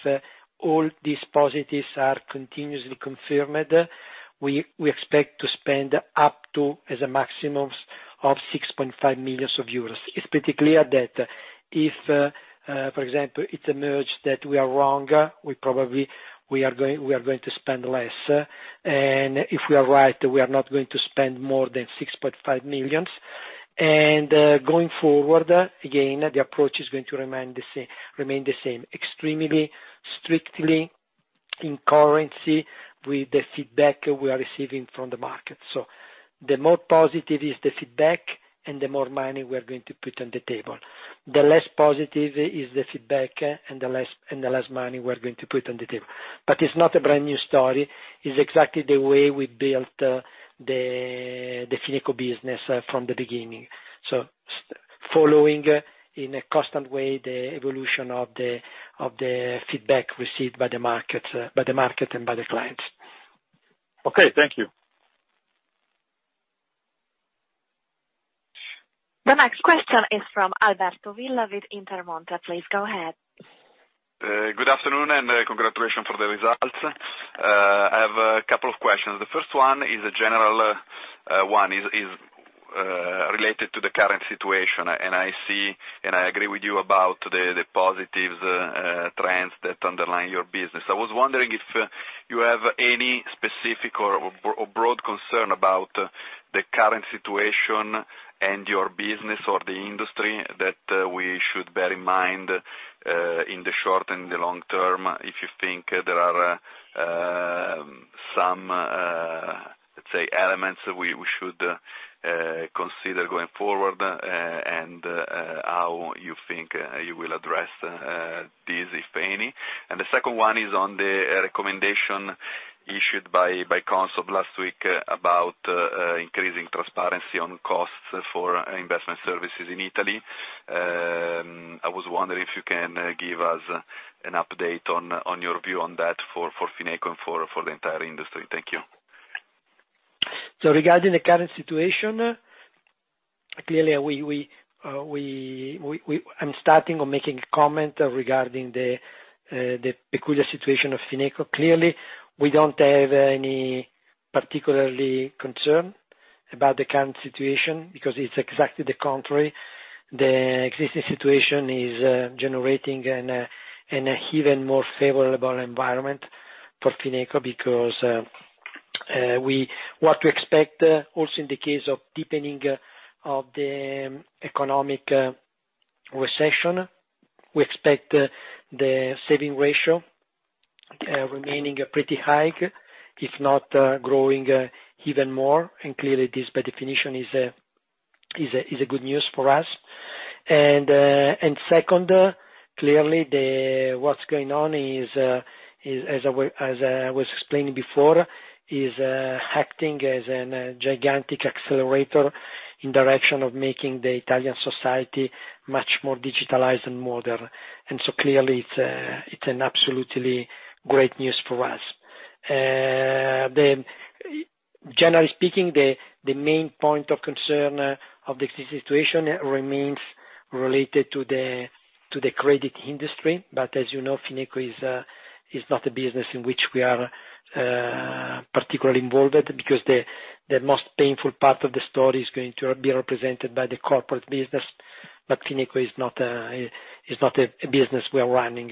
all these positives are continuously confirmed, we expect to spend up to as a maximum of 6.5 million euros. It's pretty clear that if, for example, it emerge that we are wrong, we probably are going to spend less. If we are right, we are not going to spend more than 6.5 million. Going forward, again, the approach is going to remain the same, extremely strictly in concurrence with the feedback we are receiving from the market. The more positive is the feedback, and the more money we are going to put on the table. The less positive is the feedback, and the less money we're going to put on the table. It's not a brand new story, it's exactly the way we built the Fineco business from the beginning. Following in a constant way the evolution of the feedback received by the market and by the clients. Okay. Thank you. The next question is from Alberto Villa with Intermonte. Please go ahead. Good afternoon, and congratulations for the results. I have a couple of questions. The first one is a general one, is related to the current situation. I see, and I agree with you about the positive trends that underline your business. I was wondering if you have any specific or broad concern about the current situation and your business or the industry that we should bear in mind, in the short and the long term, if you think there are some, let's say, elements we should consider going forward, and how you think you will address these, if any. The second one is on the recommendation issued by CONSOB of last week about increasing transparency on costs for investment services in Italy. I was wondering if you can give us an update on your view on that for Fineco and for the entire industry. Thank you. Regarding the current situation, clearly, I'm starting on making a comment regarding the peculiar situation of Fineco. Clearly, we don't have any particularly concern about the current situation, because it's exactly the contrary. The existing situation is generating an even more favorable environment for Fineco because what we expect also in the case of deepening of the economic recession, we expect the saving ratio remaining pretty high, if not growing even more. Clearly this by definition is a good news for us. Second, clearly what's going on, as I was explaining before, is acting as a gigantic accelerator in direction of making the Italian society much more digitalized and modern. Clearly it's an absolutely great news for us. Generally speaking, the main point of concern of the existing situation remains related to the credit industry. As you know, Fineco is not a business in which we are particularly involved with, because the most painful part of the story is going to be represented by the corporate business. Fineco is not a business we are running.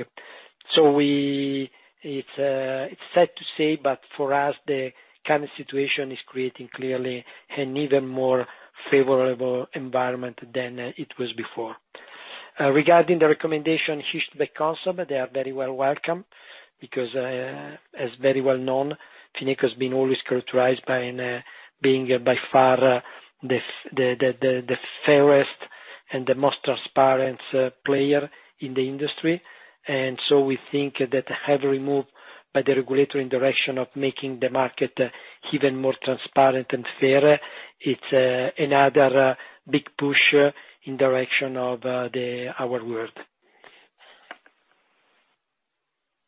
It's sad to say, but for us, the current situation is creating clearly an even more favorable environment than it was before. Regarding the recommendation issued by CONSOB, they are very well welcome because, as very well known, Fineco has been always characterized by being by far the fairest and the most transparent player in the industry. We think that every move by the regulator in direction of making the market even more transparent and fairer, it's another big push in direction of our world.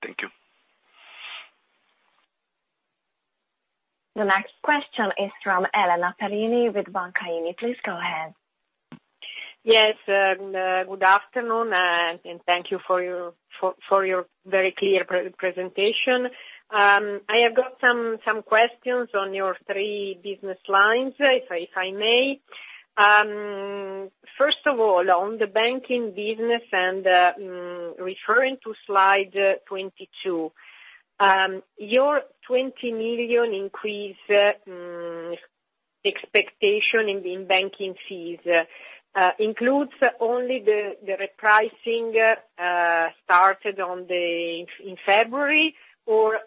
Thank you. The next question is from Elena Perini with Banca IMI. Please go ahead. Yes. Good afternoon, and thank you for your very clear presentation. I have got some questions on your three business lines, if I may. First of all, on the banking business and referring to slide 22. Your EUR 20 million increase expectation in banking fees includes only the repricing started in February or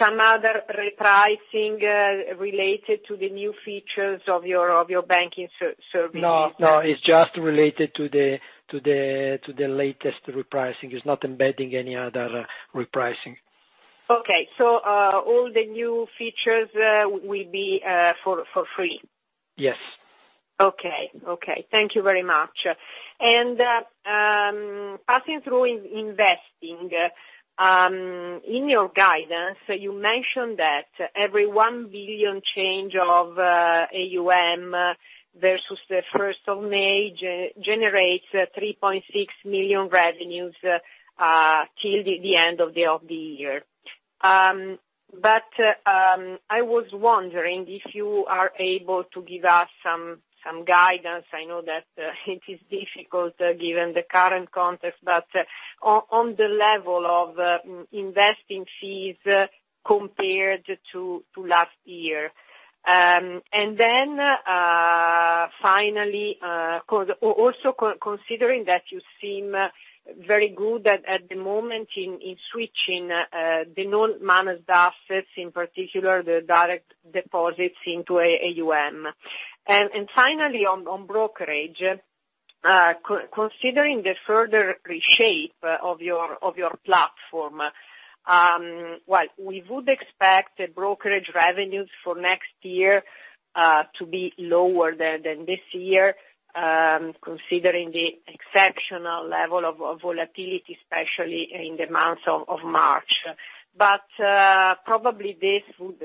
some other repricing related to the new features of your banking services? No, it's just related to the latest repricing. It's not embedding any other repricing. Okay. All the new features will be for free? Yes. Okay. Thank you very much. Passing through investing, in your guidance, you mentioned that every 1 billion change of AUM versus the 1st of May generates 3.6 million revenues till the end of the year. I was wondering if you are able to give us some guidance. I know that it is difficult given the current context, but on the level of investing fees compared to last year. Then finally, also considering that you seem very good at the moment in switching the non-managed assets, in particular the direct deposits into AUM. Finally, on brokerage, considering the further shape of your platform, we would expect the brokerage revenues for next year to be lower than this year, considering the exceptional level of volatility, especially in the month of March. Probably this would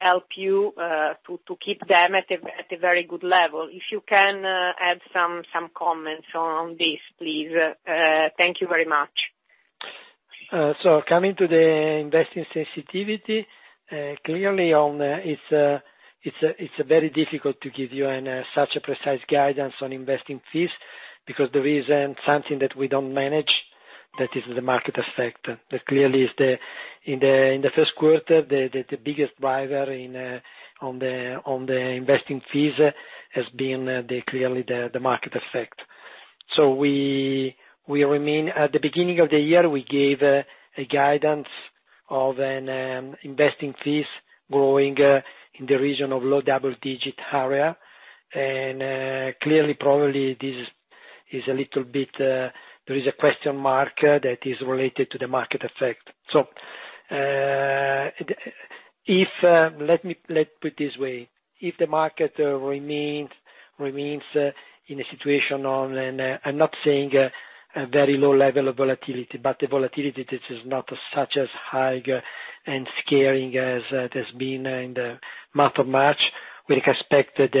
help you to keep them at a very good level. If you can add some comments on this, please. Thank you very much. Coming to the investing sensitivity, clearly it's very difficult to give you such a precise guidance on investing fees, because there is something that we don't manage that is the market effect. Clearly in the first quarter, the biggest driver on the investing fees has been clearly the market effect. At the beginning of the year, we gave a guidance of an investing fees growing in the region of low double-digit area. Clearly, probably there is a question mark that is related to the market effect. Let put it this way. If the market remains in a situation, and I'm not saying a very low level of volatility, but the volatility, this is not such as high and scary as it has been in the month of March. We can expect that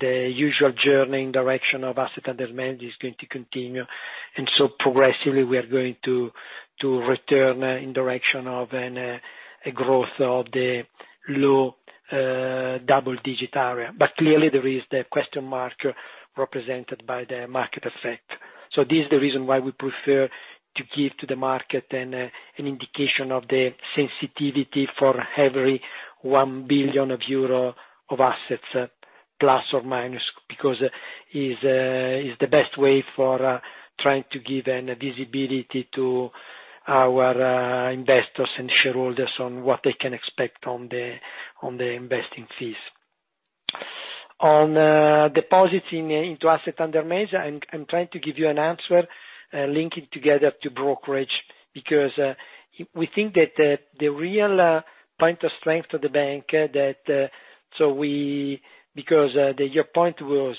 the usual journey in direction of asset under management is going to continue, and so progressively we are going to return in direction of a growth of the low double-digit area. Clearly there is the question mark represented by the market effect. This is the reason why we prefer to give to the market an indication of the sensitivity for every 1 billion euro of assets, plus or minus. It's the best way for trying to give a visibility to our investors and shareholders on what they can expect on the investing fees. On deposits into asset under management, I'm trying to give you an answer linking together to brokerage, because we think that the real point of strength to the bank, because your point was,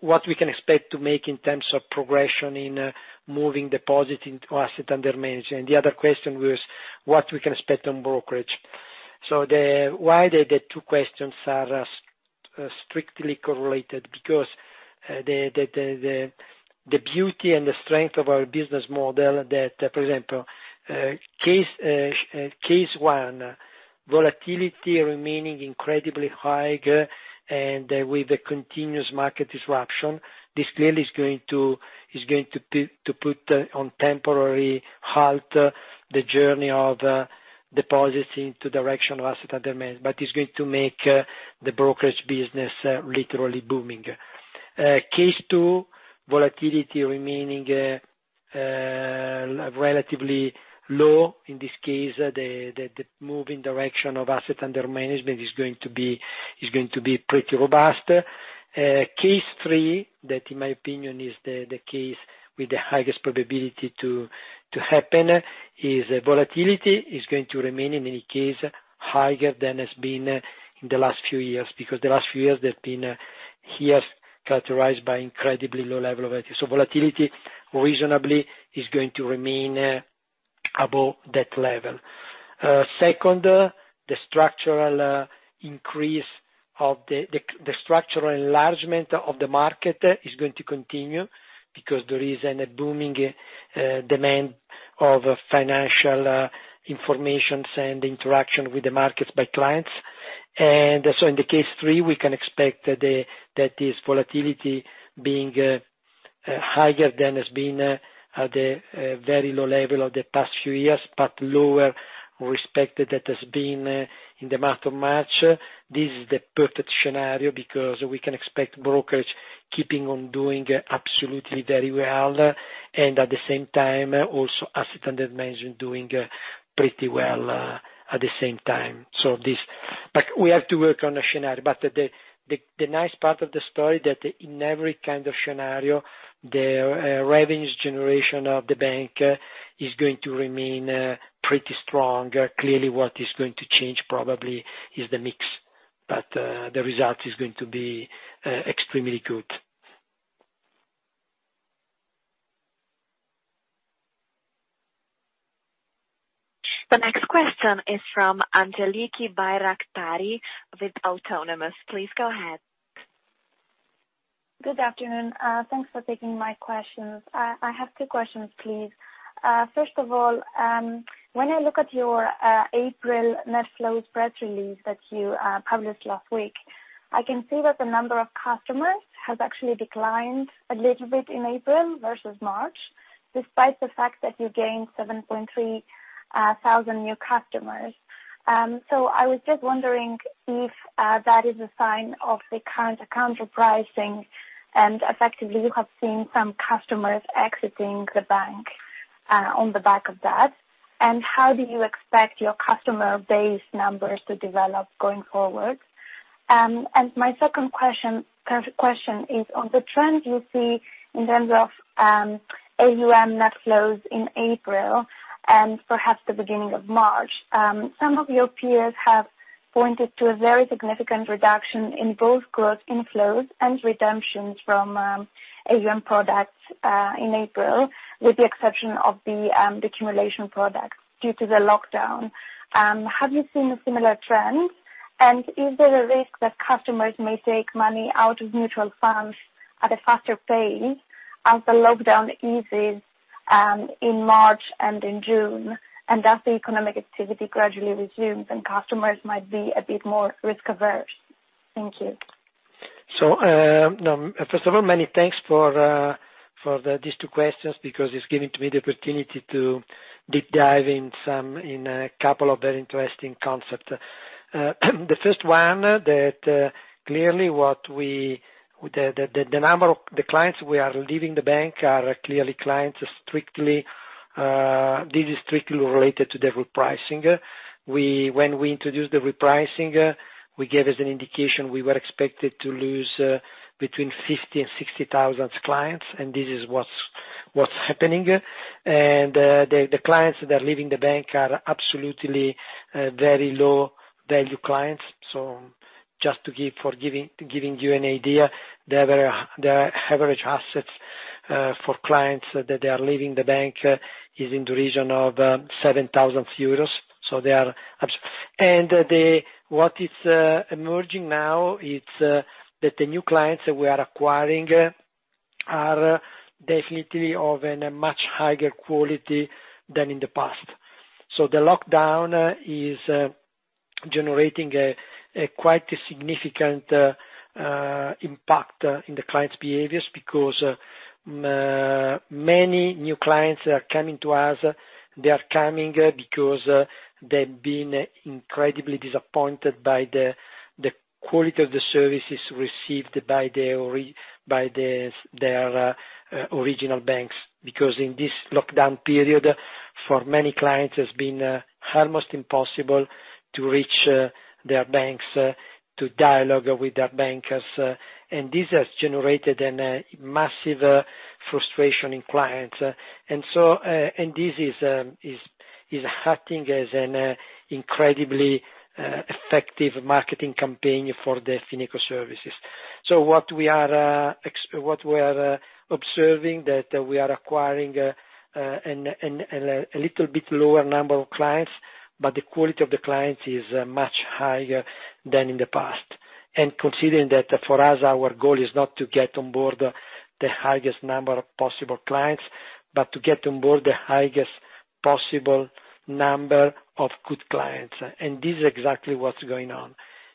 what we can expect to make in terms of progression in moving deposit into asset under management. The other question was what we can expect on brokerage. Why the two questions are strictly correlated? The beauty and the strength of our business model that, for example, case 1, volatility remaining incredibly high and with a continuous market disruption. This clearly is going to put on temporary halt the journey of deposits into direction of asset under management, but it's going to make the brokerage business literally booming. Case 2, volatility remaining relatively low. In this case, the move in direction of asset under management is going to be pretty robust. Case 3, that in my opinion is the case with the highest probability to happen is, volatility is going to remain, in any case, higher than it has been in the last few years, because the last few years they've been characterized by incredibly low level of activity. Volatility reasonably is going to remain above that level. Second, the structural enlargement of the market is going to continue, because there is a booming demand of financial information and interaction with the markets by clients. In Case 3, we can expect that this volatility being higher than has been at the very low level of the past few years, but lower than it has been in the month of March. This is the perfect scenario because we can expect brokerage keeping on doing absolutely very well, and at the same time, also asset under management doing pretty well at the same time. We have to work on a scenario. The nice part of the story that in every kind of scenario, the revenues generation of the bank is going to remain pretty strong. Clearly what is going to change probably is the mix. The result is going to be extremely good. The next question is from Angeliki Bairaktari with Autonomous. Please go ahead. Good afternoon. Thanks for taking my questions. I have two questions, please. First of all, when I look at your April net flows press release that you published last week, I can see that the number of customers has actually declined a little bit in April versus March, despite the fact that you gained 7,300 new customers. I was just wondering if that is a sign of the current account repricing, and effectively, you have seen some customers exiting the bank on the back of that. How do you expect your customer base numbers to develop going forward? My second question is on the trend you see in terms of AUM net flows in April and perhaps the beginning of March. Some of your peers have pointed to a very significant reduction in both gross inflows and redemptions from AUM products, in April, with the exception of the decumulation products due to the lockdown. Have you seen a similar trend? Is there a risk that customers may take money out of mutual funds at a faster pace as the lockdown eases in March and in June, and as the economic activity gradually resumes, and customers might be a bit more risk averse? Thank you. First of all, many thanks for these two questions, because it's giving to me the opportunity to deep dive in a couple of very interesting concepts. The first one, that clearly the clients who are leaving the bank are clearly clients, this is strictly related to the repricing. When we introduced the repricing, we gave as an indication we were expected to lose between 50,000 and 60,000 clients, and this is what's happening. The clients that are leaving the bank are absolutely very low-value clients. Just to give you an idea, their average assets for clients that are leaving the bank is in the region of EUR 7,000. What is emerging now is that the new clients that we are acquiring are definitely of a much higher quality than in the past. The lockdown is generating a quite significant impact in the clients' behaviors because many new clients are coming to us. They are coming because they've been incredibly disappointed by the quality of the services received by their original banks. Because in this lockdown period, for many clients, it's been almost impossible to reach their banks, to dialogue with their bankers. This has generated a massive frustration in clients. This is acting as an incredibly effective marketing campaign for the Fineco services. What we are observing, that we are acquiring a little bit lower number of clients, but the quality of the clients is much higher than in the past. Considering that for us, our goal is not to get on board the highest number of possible clients, but to get on board the highest possible number of good clients. This is exactly what's going on,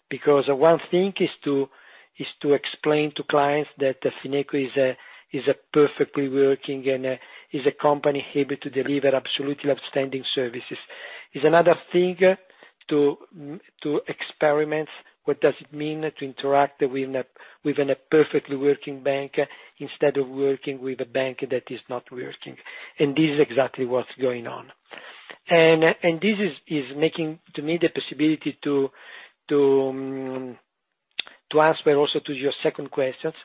because one thing is to explain to clients that Fineco is perfectly working and is a company able to deliver absolutely outstanding services. It's another thing to experiment what does it mean to interact within a perfectly working bank instead of working with a bank that is not working. This is exactly what's going on. This is making to me the possibility to answer also to your second questions.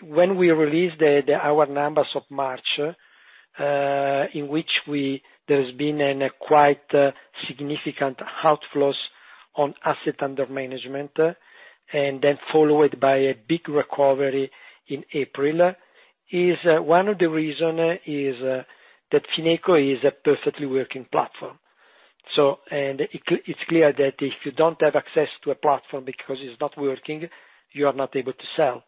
When we released our numbers of March, in which there's been a quite significant outflows on asset under management, and then followed by a big recovery in April, one of the reason is that Fineco is a perfectly working platform. It's clear that if you don't have access to a platform because it's not working, you are not able to sell.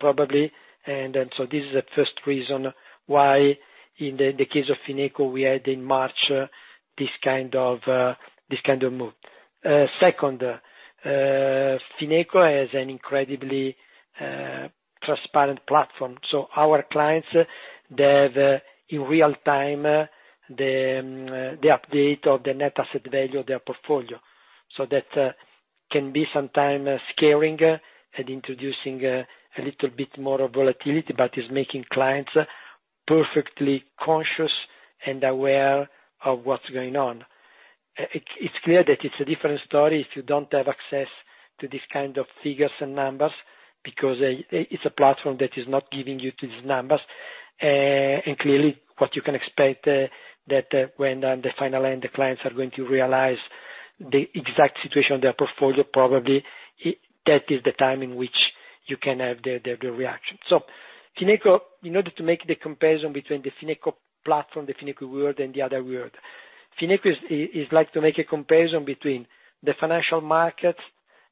Probably, this is the first reason why in the case of Fineco, we had in March this kind of move. Second, Fineco has an incredibly transparent platform. Our clients have, in real time, the update of the net asset value of their portfolio. That can be sometime scaring and introducing a little bit more volatility, but is making clients perfectly conscious and aware of what's going on. It's clear that it's a different story if you don't have access to these kind of figures and numbers, because it's a platform that is not giving you these numbers. Clearly, what you can expect that when the final end clients are going to realize the exact situation of their portfolio, probably that is the time in which you can have the reaction. Fineco, in order to make the comparison between the Fineco platform, the Fineco world, and the other world, Fineco is like to make a comparison between the financial market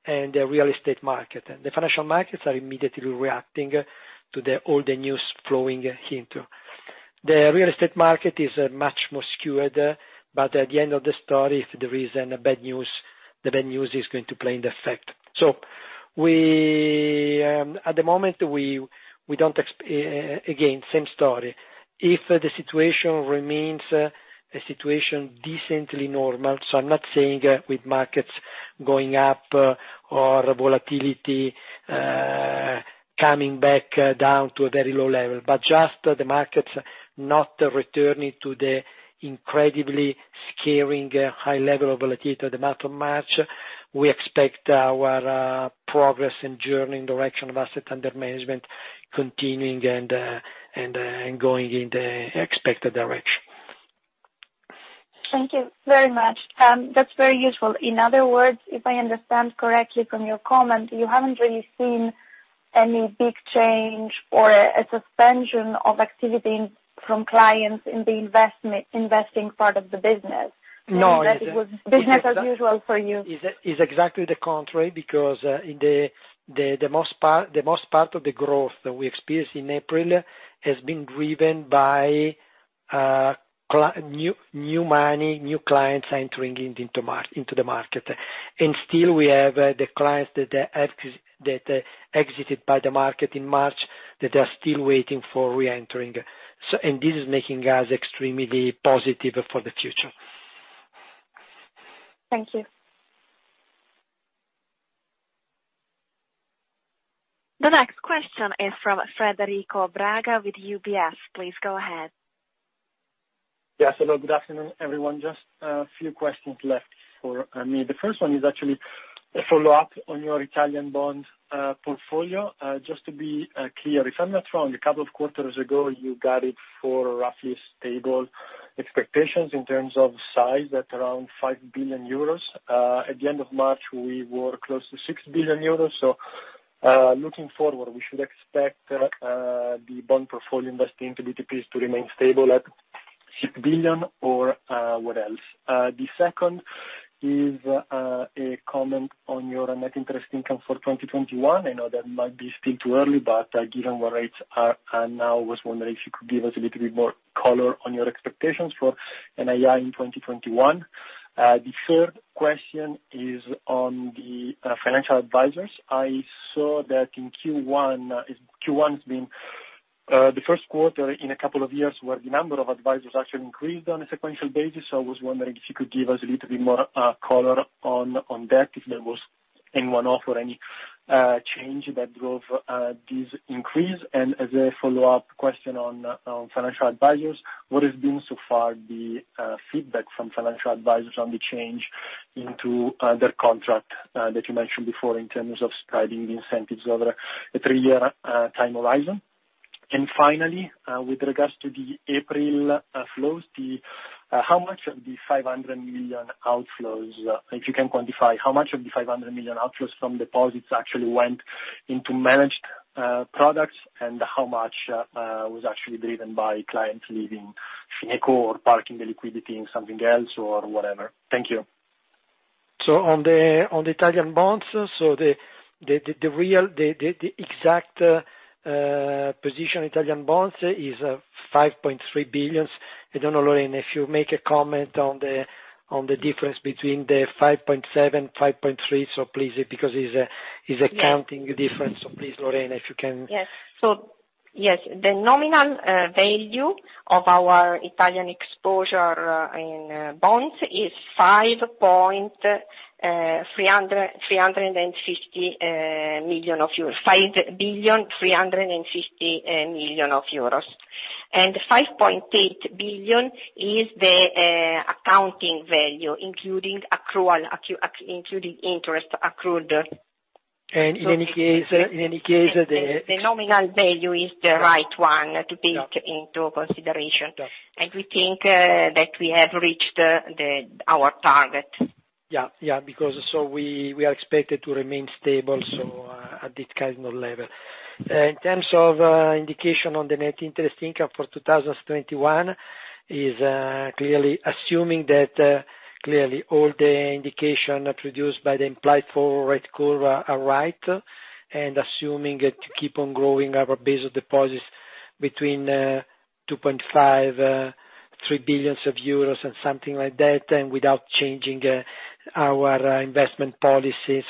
and the real estate market. The financial markets are immediately reacting to all the news flowing into. The real estate market is much more skewed, but at the end of the story, if there is any bad news, the bad news is going to play in the effect. At the moment, again, same story. If the situation remains a situation decently normal, so I'm not saying with markets going up or volatility coming back down to a very low level, but just the markets not returning to the incredibly scaring high level of volatility to the month of March. We expect our progress and journey in direction of asset under management continuing and going in the expected direction. Thank you very much. That's very useful. In other words, if I understand correctly from your comment, you haven't really seen any big change or a suspension of activity from clients in the investing part of the business. No. Business as usual for you. Is exactly the contrary because the most part of the growth that we experienced in April has been driven by new money, new clients entering into the market. Still we have the clients that exited by the market in March that are still waiting for reentering. This is making us extremely positive for the future. Thank you. The next question is from Federico Braga with UBS. Please go ahead. Yes, hello. Good afternoon, everyone. Just a few questions left for me. The first one is actually a follow-up on your Italian bond portfolio. Just to be clear, if I'm not wrong, a couple of quarters ago, you guided for roughly stable expectations in terms of size at around 5 billion euros. At the end of March, we were close to 6 billion euros. Looking forward, we should expect the bond portfolio investing to BTPs to remain stable at 6 billion or what else? The second is a comment on your net interest income for 2021. I know that might be still too early, given where rates are now, I was wondering if you could give us a little bit more color on your expectations for NII in 2021. The third question is on the financial advisors. I saw that Q1 has been the first quarter in a couple of years where the number of advisors actually increased on a sequential basis. I was wondering if you could give us a little bit more color on that, if there was any one-off or any change that drove this increase. As a follow-up question on financial advisors, what has been so far the feedback from financial advisors on the change into their contract that you mentioned before in terms of spreading the incentives over a three-year time horizon? Finally, with regards to the April flows, how much of the 500 million outflows, if you can quantify, how much of the 500 million outflows from deposits actually went into managed products? How much was actually driven by clients leaving Fineco or parking the liquidity in something else or whatever? Thank you. On the Italian bonds, the exact position Italian bonds is 5.3 billion. I don't know, Lorena, if you make a comment on the difference between the 5.7, 5.3, because it's a counting difference. Please, Lorena, if you can. Yes. Yes, the nominal value of our Italian exposure in bonds is 5.35 billion. 5.8 billion is the accounting value, including interest accrued. The nominal value is the right one to take into consideration. We think that we have reached our target. Yeah. We are expected to remain stable at this kind of level. In terms of indication on the net interest income for 2021 is clearly assuming that all the indication produced by the implied forward curve are right, assuming that to keep on growing our base of deposits between 2.5 billion-3 billion euros and something like that, without changing our investment policy,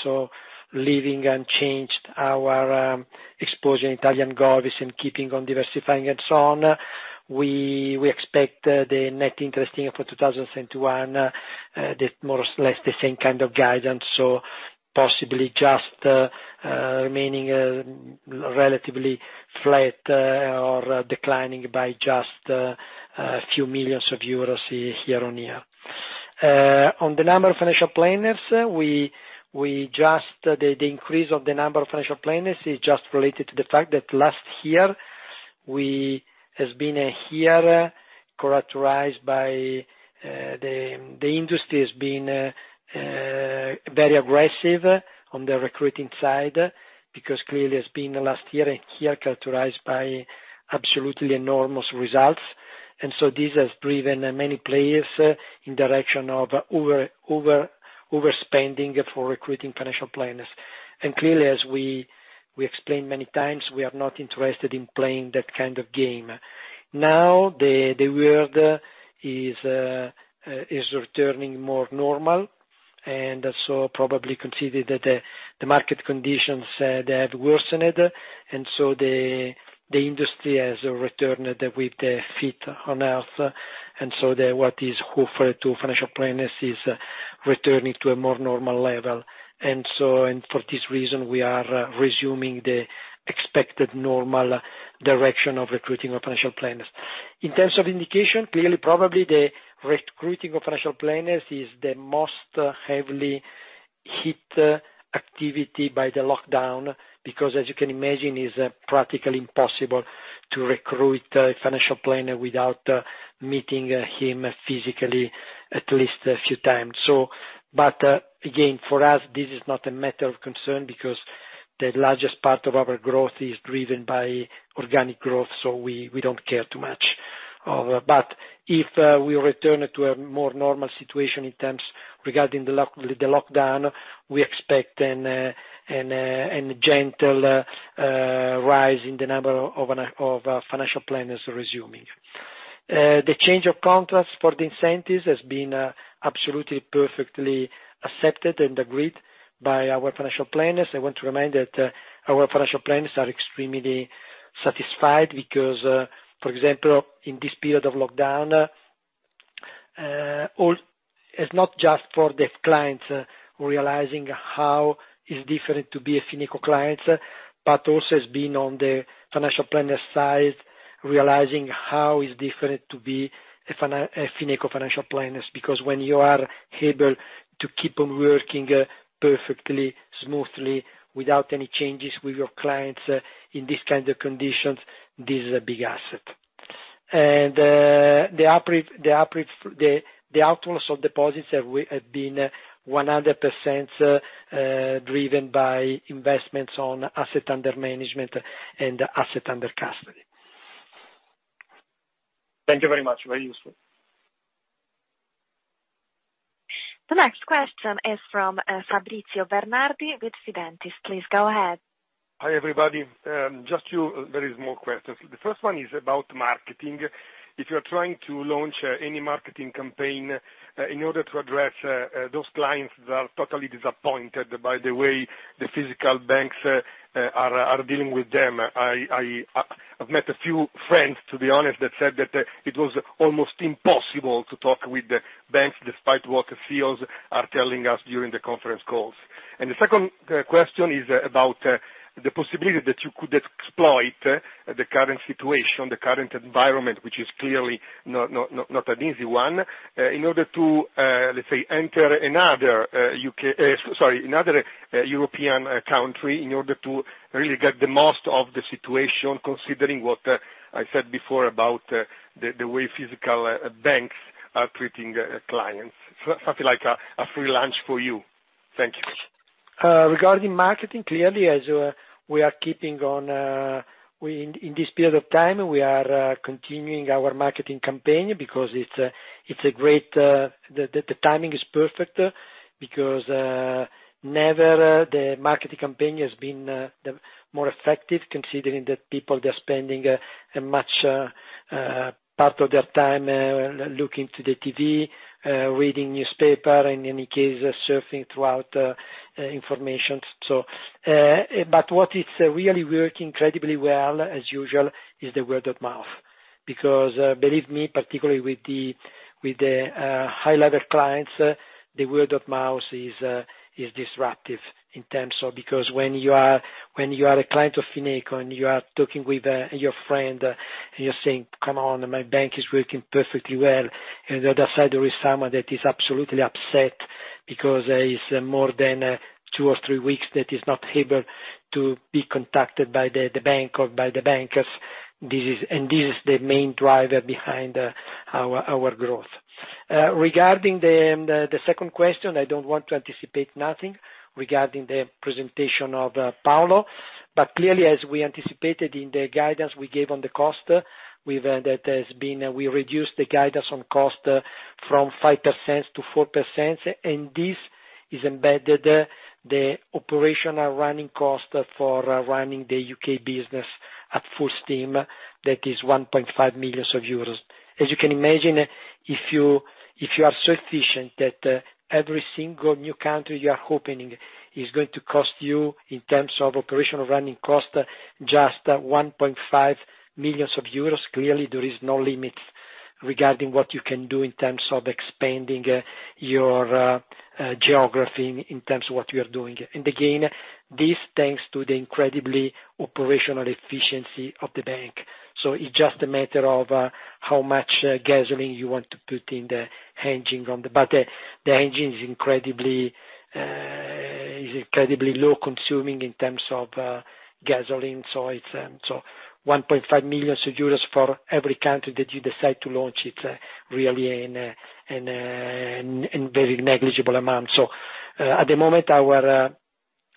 leaving unchanged our exposure in Italian govies in keeping on diversifying and so on. We expect the net interest income for 2021, that more or less the same kind of guidance, so possibly just remaining relatively flat or declining by just a few millions of EUR year-on-year. On the number of financial planners, the increase of the number of financial planners is just related to the fact that the industry has been very aggressive on the recruiting side, because clearly it's been last year, a year characterized by absolutely enormous results. This has driven many players in direction of overspending for recruiting financial planners. Clearly, as we explained many times, we are not interested in playing that kind of game. Now, the world is returning more normal, and so probably consider that the market conditions have worsened. The industry has returned with their feet on earth, and so what is offered to financial planners is returning to a more normal level. For this reason, we are resuming the expected normal direction of recruiting of financial planners. In terms of indication, clearly, probably the recruiting of financial planners is the most heavily hit activity by the lockdown, because as you can imagine, it's practically impossible to recruit a financial planner without meeting him physically at least a few times. Again, for us, this is not a matter of concern because the largest part of our growth is driven by organic growth, so we don't care too much. If we return to a more normal situation regarding the lockdown, we expect an gentle rise in the number of financial planners resuming. The change of contracts for the incentives has been absolutely perfectly accepted and agreed by our financial planners. I want to remind that our financial planners are extremely satisfied because, for example, in this period of lockdown, it's not just for the clients realizing how it's different to be a Fineco client, but also has been on the financial planner side, realizing how it's different to be a Fineco financial planners. When you are able to keep on working perfectly, smoothly, without any changes with your clients in this kind of conditions, this is a big asset. The outflows of deposits have been 100% driven by investments on asset under management and asset under custody. Thank you very much. Very useful. The next question is from Fabrizio Bernardi with Fidentiis. Please go ahead. Hi, everybody. Just two very small questions. The first one is about marketing. If you're trying to launch any marketing campaign in order to address those clients that are totally disappointed by the way the physical banks are dealing with them. I've met a few friends, to be honest, that said that it was almost impossible to talk with the banks despite what CEOs are telling us during the conference calls. The second question is about the possibility that you could exploit the current situation, the current environment, which is clearly not an easy one, in order to, let's say, enter another European country in order to really get the most of the situation, considering what I said before about the way physical banks are treating clients. Something like a free lunch for you. Thank you. Regarding marketing, clearly, in this period of time, we are continuing our marketing campaign because the timing is perfect. Never the marketing campaign has been more effective considering that people, they're spending a much part of their time looking to the TV, reading newspaper, in any case, surfing throughout information. What is really working incredibly well, as usual, is the word of mouth. Believe me, particularly with the high-level clients, the word of mouth is disruptive in terms of when you are a client of Fineco and you are talking with your friend and you're saying, "Come on, my bank is working perfectly well," in the other side, there is someone that is absolutely upset because it's more than two or three weeks that he's not able to be contacted by the bank or by the bankers. This is the main driver behind our growth. Regarding the second question, I don't want to anticipate nothing regarding the presentation of Paolo. Clearly, as we anticipated in the guidance we gave on the cost, we reduced the guidance on cost from 5% to 4%, and this is embedded the operational running cost for running the U.K. business at full steam. That is 1.5 million euros. As you can imagine, if you are so efficient that every single new country you are opening is going to cost you, in terms of operational running cost, just 1.5 million euros, clearly there is no limit regarding what you can do in terms of expanding your geography in terms of what we are doing. Again, this thanks to the incredibly operational efficiency of the bank. It's just a matter of how much gasoline you want to put in the engine on the back. The engine is incredibly low consuming in terms of gasoline. 1.5 million euros for every country that you decide to launch, it's really a very negligible amount. At the moment,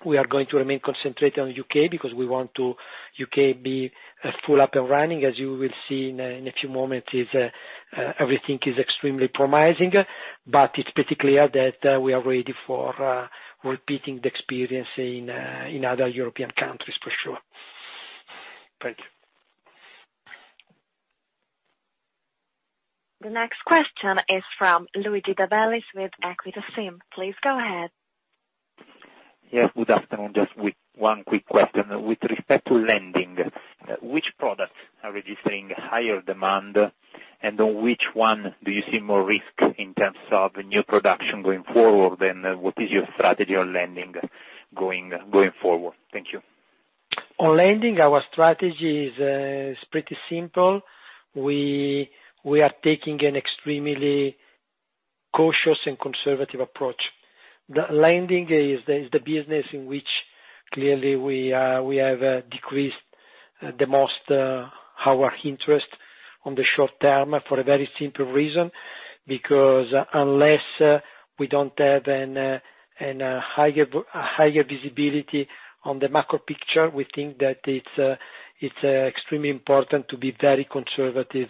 we are going to remain concentrated on U.K. because we want U.K. be full up and running as you will see in a few moments, everything is extremely promising, but it's pretty clear that we are ready for repeating the experience in other European countries for sure. Thank you. The next question is from Luigi De Bellis with Equita SIM. Please go ahead. Yes, good afternoon. Just with one quick question. With respect to lending, which products are registering higher demand? On which one do you see more risk in terms of new production going forward? What is your strategy on lending going forward? Thank you. On lending, our strategy is pretty simple. We are taking an extremely cautious and conservative approach. The lending is the business in which clearly we have decreased the most our interest on the short term for a very simple reason, because unless we don't have an higher visibility on the macro picture, we think that it's extremely important to be very conservative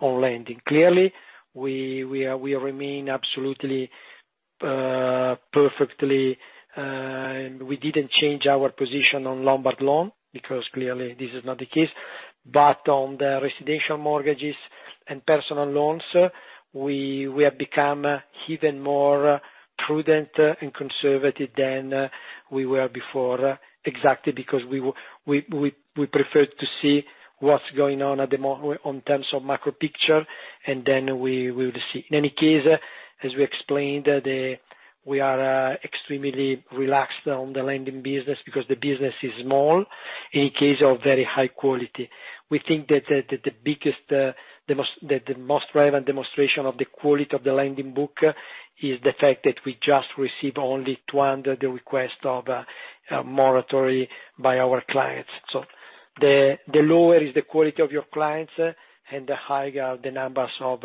on lending. Clearly, we remain absolutely, perfectly, we didn't change our position on Lombard loan because clearly this is not the case. On the residential mortgages and personal loans, we have become even more prudent and conservative than we were before. Exactly because we preferred to see what's going on at the moment on terms of macro picture, and then we will see. In any case, as we explained, we are extremely relaxed on the lending business because the business is small, in case of very high quality. We think that the most relevant demonstration of the quality of the lending book is the fact that we just received only 200 requests of a moratorium by our clients. The lower is the quality of your clients, and the higher the numbers of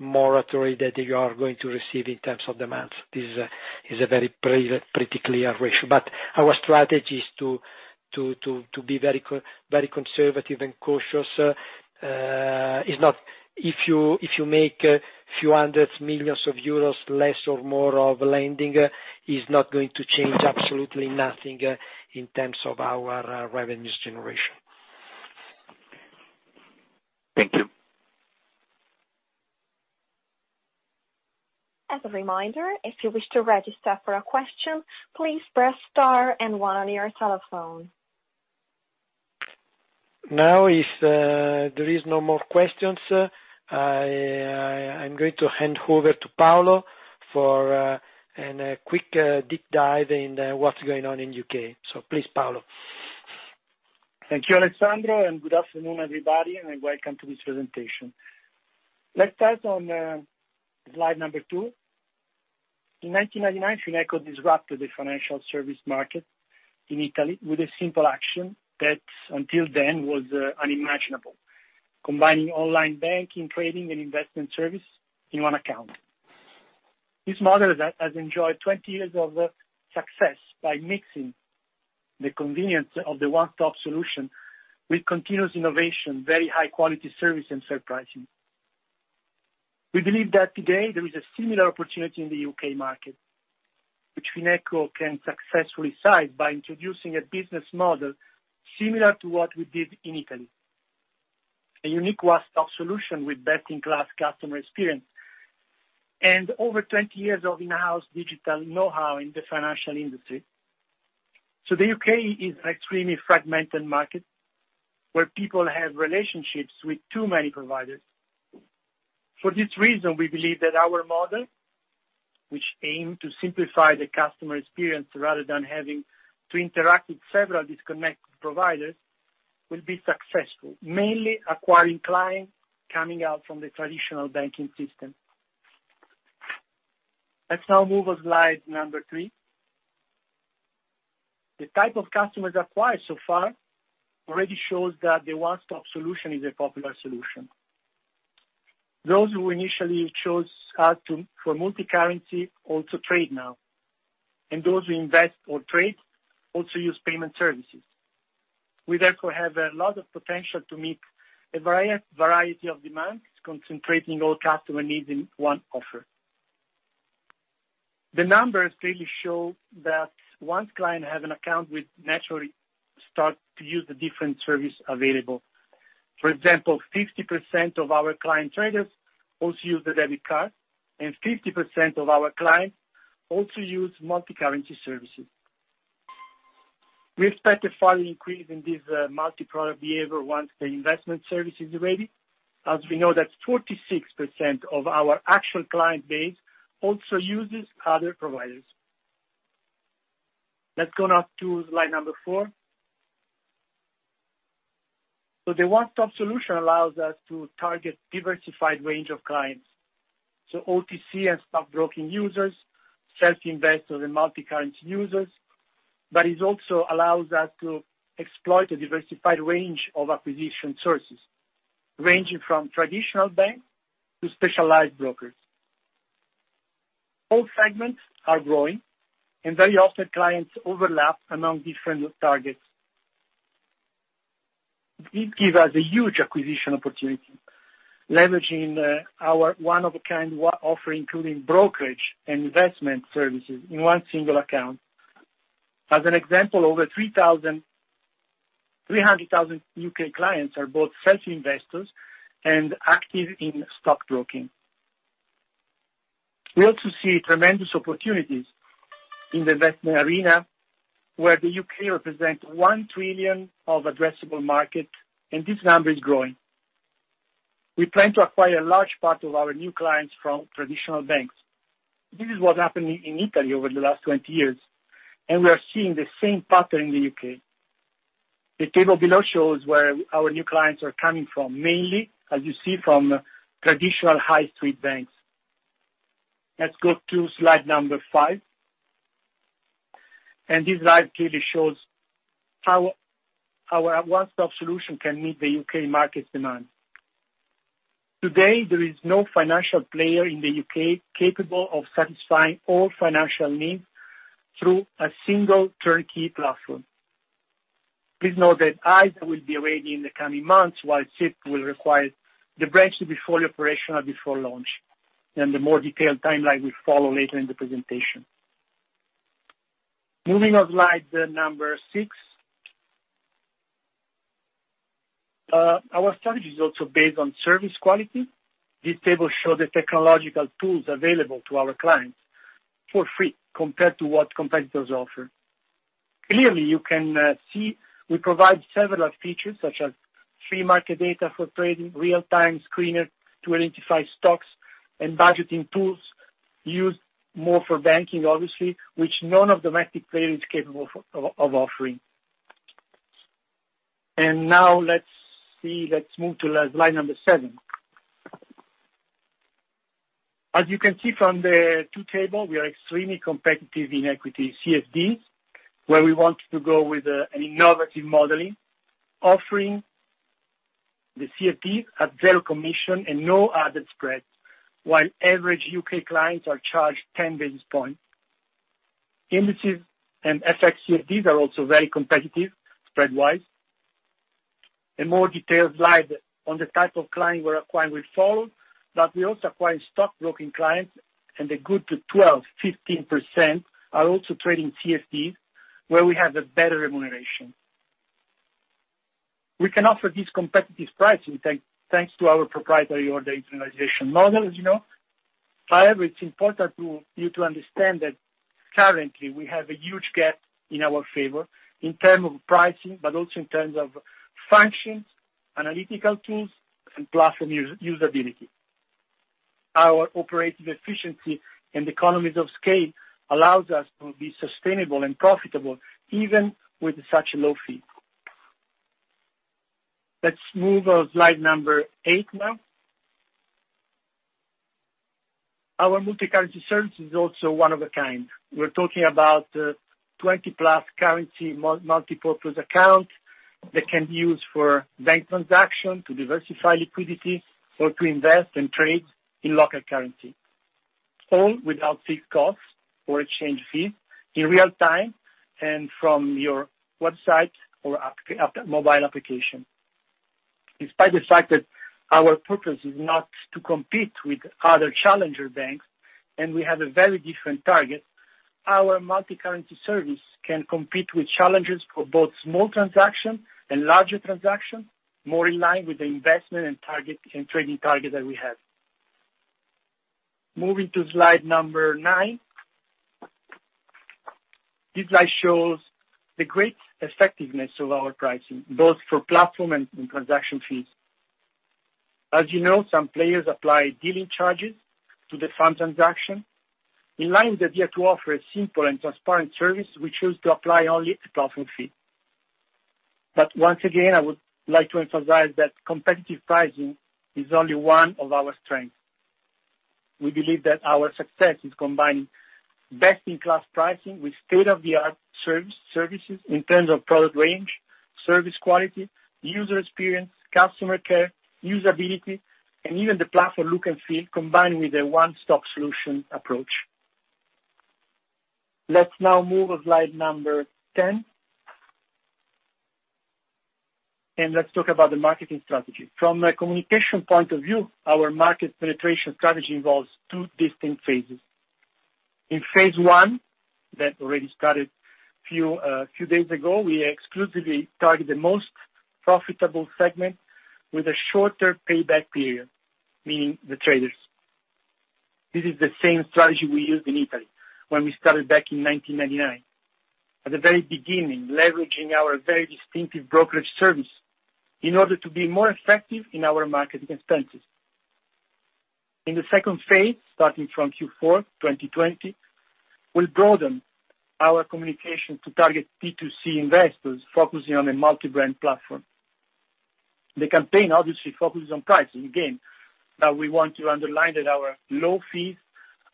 moratoriums that you are going to receive in terms of demands. This is a very pretty clear ratio. Our strategy is to be very conservative and cautious. If you make a few hundred million EUR less or more of lending, is not going to change absolutely nothing in terms of our revenues generation. Thank you. As a reminder, if you wish to register for a question, please press star and one on your telephone. If there is no more questions, I'm going to hand over to Paolo for a quick, deep dive in what's going on in U.K. Please, Paolo. Thank you, Alessandro, good afternoon, everybody, and welcome to this presentation. Let's start on slide number two. In 1999, Fineco disrupted the financial service market in Italy with a simple action that until then was unimaginable. Combining online banking, trading, and investment service in one account. This model has enjoyed 20 years of success by mixing the convenience of the one-stop solution with continuous innovation, very high-quality service, and fair pricing. We believe that today there is a similar opportunity in the U.K. market, which Fineco can successfully seize by introducing a business model similar to what we did in Italy, a unique one-stop solution with best-in-class customer experience and over 20 years of in-house digital knowhow in the financial industry. The U.K. is an extremely fragmented market, where people have relationships with too many providers. For this reason, we believe that our model, which aim to simplify the customer experience rather than having to interact with several disconnected providers, will be successful, mainly acquiring clients coming out from the traditional banking system. Let's now move on slide number three. The type of customers acquired so far already shows that the one-stop solution is a popular solution. Those who initially chose us for multi-currency also trade now, and those who invest or trade also use payment services. We therefore have a lot of potential to meet a variety of demands, concentrating all customer needs in one offer. The numbers clearly show that once client has an account, will naturally start to use the different service available. For example, 50% of our client traders also use the debit card, and 50% of our clients also use multi-currency services. We expect a further increase in this multi-product behavior once the investment service is ready. As we know that 46% of our actual client base also uses other providers. Let's go now to slide number four. The one-stop solution allows us to target diversified range of clients, so OTC and stockbroking users, self-investors, and multi-currency users, but it also allows us to exploit a diversified range of acquisition sources, ranging from traditional banks to specialized brokers. All segments are growing, and very often clients overlap among different targets. It gives us a huge acquisition opportunity, leveraging our one-of-a-kind offering, including brokerage and investment services in one single account. As an example, over 300,000 U.K. clients are both self-investors and active in stockbroking. We also see tremendous opportunities in the investment arena where the U.K. represents 1 trillion of addressable market, and this number is growing. We plan to acquire a large part of our new clients from traditional banks. This is what happened in Italy over the last 20 years, and we are seeing the same pattern in the U.K. The table below shows where our new clients are coming from. Mainly, as you see, from traditional high street banks. Let's go to slide number five. This slide clearly shows how our one-stop solution can meet the U.K. market demand. Today, there is no financial player in the U.K. capable of satisfying all financial needs through a single turnkey platform. Please note that ISAs will be ready in the coming months, while SIPP will require the branch to be fully operational before launch. The more detailed timeline will follow later in the presentation. Moving on slide number six. Our strategy is also based on service quality. This table shows the technological tools available to our clients for free, compared to what competitors offer. Clearly, you can see we provide several features, such as free market data for trading, real-time screener to identify stocks, and budgeting tools used more for banking, obviously, which none of the domestic players is capable of offering. Now let's move to slide number seven. As you can see from the two table, we are extremely competitive in equity CFDs, where we want to go with an innovative modeling. Offering the CFDs at zero commission and no added spread, while average U.K. clients are charged 10 basis points. Indices and FX CFDs are also very competitive spread-wise. A more detailed slide on the type of client we're acquiring will follow, but we also acquire stockbroking clients, and a good 12%-15% are also trading CFDs, where we have a better remuneration. We can offer this competitive pricing, thanks to our proprietary order internalization model, as you know. However, it's important for you to understand that currently, we have a huge gap in our favor in term of pricing, but also in terms of functions, analytical tools, and platform usability. Our operative efficiency and economies of scale allows us to be sustainable and profitable, even with such low fee. Let's move on slide number eight now. Our multi-currency service is also one of a kind. We're talking about 20-plus currency multi-purpose account that can be used for bank transaction, to diversify liquidity, or to invest and trade in local currency, all without fee costs or exchange fee, in real time, and from your website or mobile application. Despite the fact that our purpose is not to compete with other challenger banks, and we have a very different target, our multi-currency service can compete with challengers for both small transaction and larger transaction, more in line with the investment and trading target that we have. Moving to slide number nine. This slide shows the great effectiveness of our pricing, both for platform and transaction fees. As you know, some players apply dealing charges to the fund transaction. In line with the idea to offer a simple and transparent service, we choose to apply only a platform fee. Once again, I would like to emphasize that competitive pricing is only one of our strengths. We believe that our success is combining best-in-class pricing with state-of-the-art services in terms of product range, service quality, user experience, customer care, usability, and even the platform look and feel, combined with a one-stop solution approach. Let's now move on slide number 10. Let's talk about the marketing strategy. From a communication point of view, our market penetration strategy involves two distinct phases. In phase 1, that already started few days ago, we exclusively target the most profitable segment with a shorter payback period, meaning the traders. This is the same strategy we used in Italy when we started back in 1999. At the very beginning, leveraging our very distinctive brokerage service in order to be more effective in our marketing expenses. In the second phase, starting from Q4 2020, we'll broaden our communication to target B2C investors focusing on a multi-brand platform. The campaign obviously focuses on pricing. Again, that we want to underline that our low fees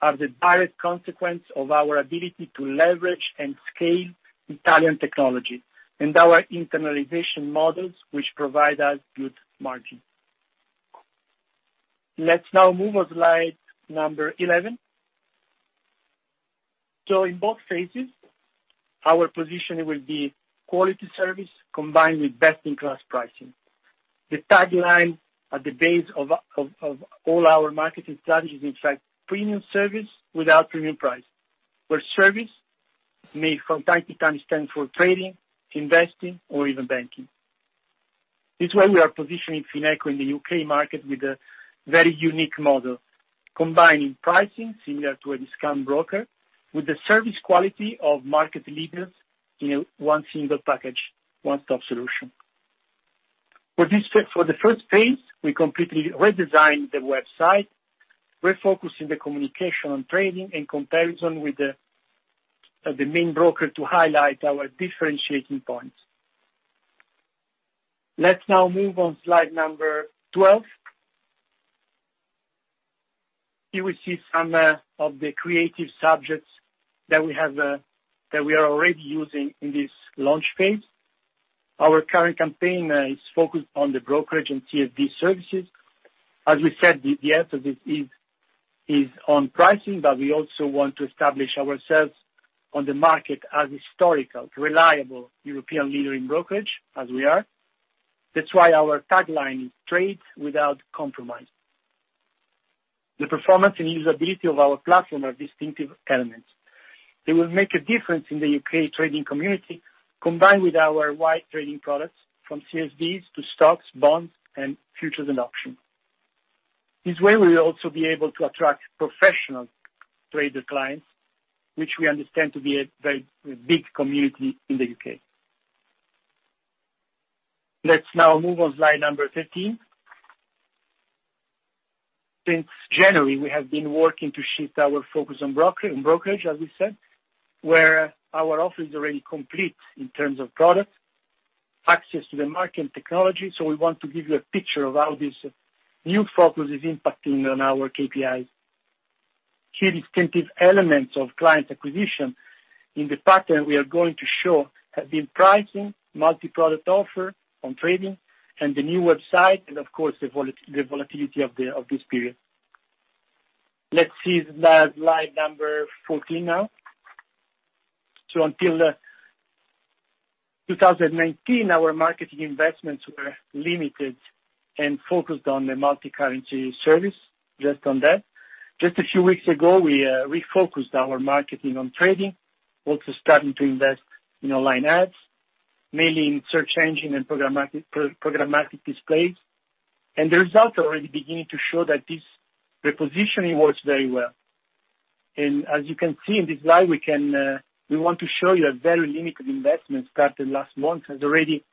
are the direct consequence of our ability to leverage and scale Italian technology and our internalization models, which provide us good margin. Let's now move on slide number 11. In both phases, our position will be quality service combined with best-in-class pricing. The tagline at the base of all our marketing strategies, in fact, premium service without premium price, where service may from time to time stand for trading, investing, or even banking. This way, we are positioning Fineco in the U.K. market with a very unique model, combining pricing similar to a discount broker with the service quality of market leaders in a one single package, one-stop solution. For the first phase, we completely redesigned the website, refocusing the communication on trading in comparison with the main broker to highlight our differentiating points. Let's now move on slide number 12. You will see some of the creative subjects that we are already using in this launch phase. Our current campaign is focused on the brokerage and CFD services. As we said, the emphasis is on pricing, but we also want to establish ourselves on the market as historical, reliable European leader in brokerage, as we are. That's why our tagline is, "Trade without compromise." The performance and usability of our platform are distinctive elements. They will make a difference in the U.K. trading community, combined with our wide trading products, from CFDs to stocks, bonds, and futures and options. This way, we will also be able to attract professional trader clients, which we understand to be a very big community in the U.K. Let's now move on slide number 13. Since January, we have been working to shift our focus on brokerage, as we said, where our office is already complete in terms of product, access to the market, and technology. We want to give you a picture of how this new focus is impacting on our KPIs. Key distinctive elements of client acquisition in the pattern we are going to show have been pricing, multi-product offer on trading, and the new website, and of course, the volatility of this period. Let's see slide number 14 now. Until 2019, our marketing investments were limited and focused on the multi-currency service, just on that. Just a few weeks ago, we refocused our marketing on trading, also starting to invest in online ads, mainly in search engine and programmatic displays. The results are already beginning to show that this repositioning works very well. As you can see in this slide, we want to show you a very limited investment started last month, has already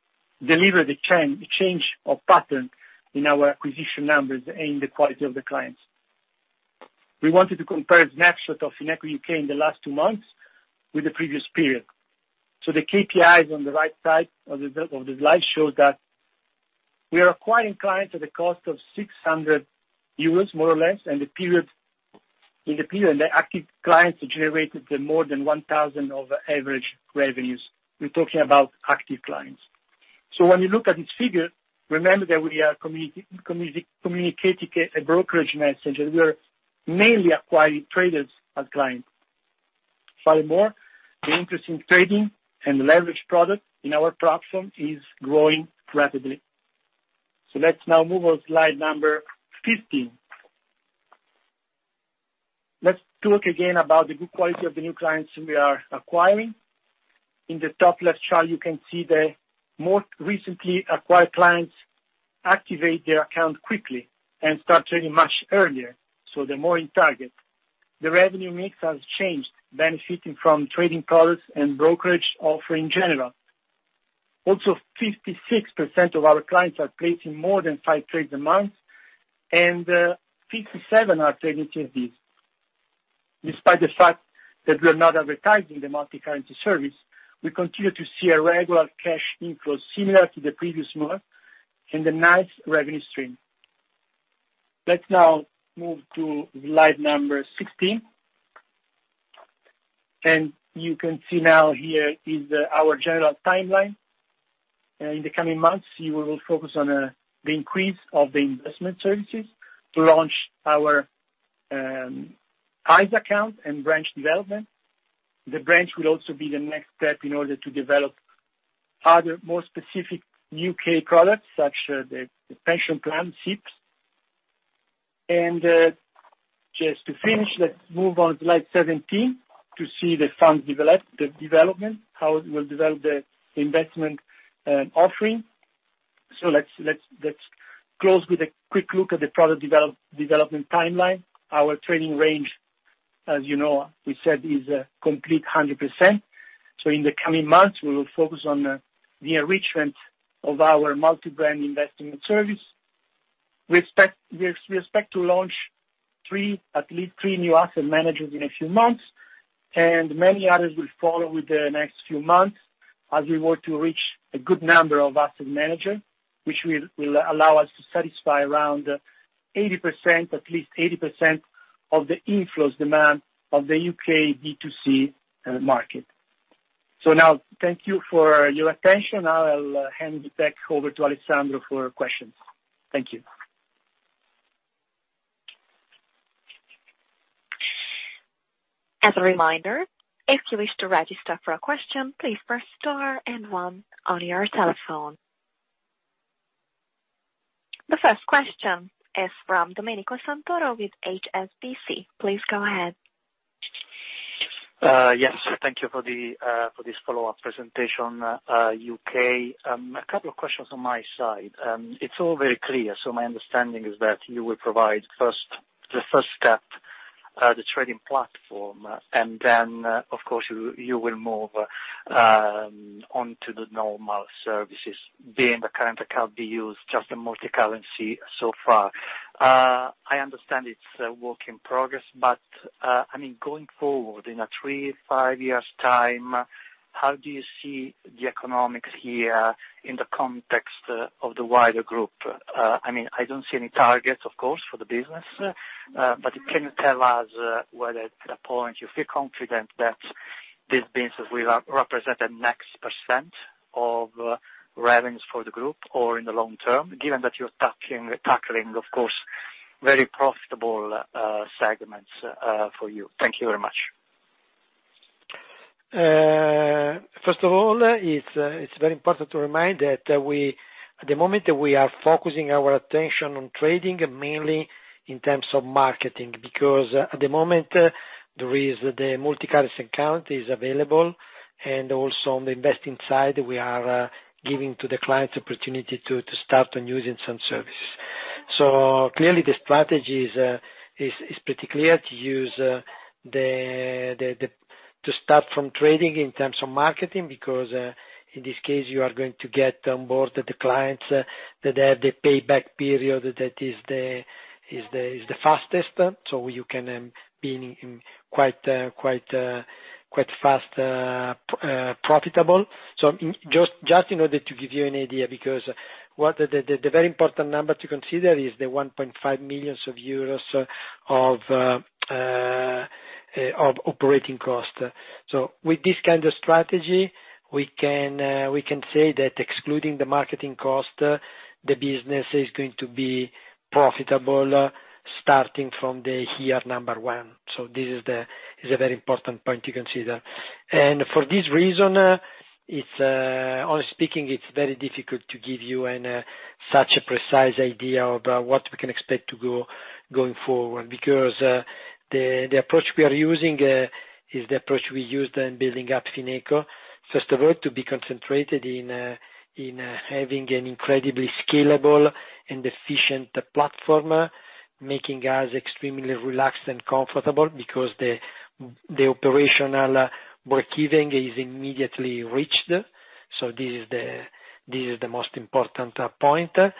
delivered a change of pattern in our acquisition numbers and the quality of the clients. We wanted to compare a snapshot of Fineco U.K. in the last two months with the previous period. The KPIs on the right side of the slide show that we are acquiring clients at the cost of 600 euros, more or less, in the period. The active clients have generated more than 1,000 of average revenues. We're talking about active clients. When you look at this figure, remember that we are communicating a brokerage message, and we are mainly acquiring traders as clients. Furthermore, the interest in trading and leverage products in our platform is growing rapidly. Let's now move on slide number 15. Let's talk again about the good quality of the new clients we are acquiring. In the top left chart, you can see the most recently acquired clients activate their account quickly and start trading much earlier, so they're more in target. The revenue mix has changed, benefiting from trading products and brokerage offer in general. 56% of our clients are placing more than five trades a month, and 57% are trading CFDs. Despite the fact that we are not advertising the multi-currency service, we continue to see a regular cash inflow similar to the previous month, and a nice revenue stream. Let's now move to slide number 16. You can see now here is our general timeline. In the coming months, we will focus on the increase of the investment services to launch our ISA account and branch development. The branch will also be the next step in order to develop other more specific U.K. products, such as the pension plan SIPPs. Just to finish, let's move on to slide 17 to see the development, how we'll develop the investment offering. Let's close with a quick look at the product development timeline. Our trading range, as you know, we said is a complete 100%. In the coming months, we will focus on the enrichment of our multi-brand investment service. We expect to launch at least three new asset managers in a few months, and many others will follow with the next few months as we work to reach a good number of asset managers, which will allow us to satisfy around at least 80% of the inflows demand of the U.K. B2C market. Now, thank you for your attention. I'll hand it back over to Alessandro for questions. Thank you. As a reminder, if you wish to register for a question, please press star and one on your telephone. The first question is from Domenico Santoro with HSBC. Please go ahead. Yes. Thank you for this follow-up presentation, U.K. A couple of questions on my side. It's all very clear. My understanding is that you will provide the first step, the trading platform, and then, of course, you will move on to the normal services, being the current account be used just a multi-currency so far. I understand it's a work in progress, but going forward, in a three, five years' time, how do you see the economics here in the context of the wider group? I don't see any targets, of course, for the business. Can you tell us whether at a point you feel confident that this business will represent the next percents of revenues for the group or in the long term, given that you're tackling, of course, very profitable segments for you. Thank you very much. First of all, it's very important to remind that at the moment, we are focusing our attention on trading, mainly in terms of marketing, because at the moment, the multi-currency account is available, and also on the investing side, we are giving to the clients opportunity to start on using some services. Clearly the strategy is pretty clear to start from trading in terms of marketing, because, in this case, you are going to get on board the clients that have the payback period that is the fastest, so you can be quite fast profitable. Just in order to give you an idea, because the very important number to consider is the 1.5 million euros of operating cost. With this kind of strategy, we can say that excluding the marketing cost, the business is going to be profitable starting from the year number one. This is a very important point to consider. For this reason, honestly speaking, it's very difficult to give you such a precise idea about what we can expect to go going forward, because the approach we are using is the approach we used in building up Fineco, first of all, to be concentrated in having an incredibly scalable and efficient platform, making us extremely relaxed and comfortable because the operational breakeven is immediately reached. This is the most important point. Then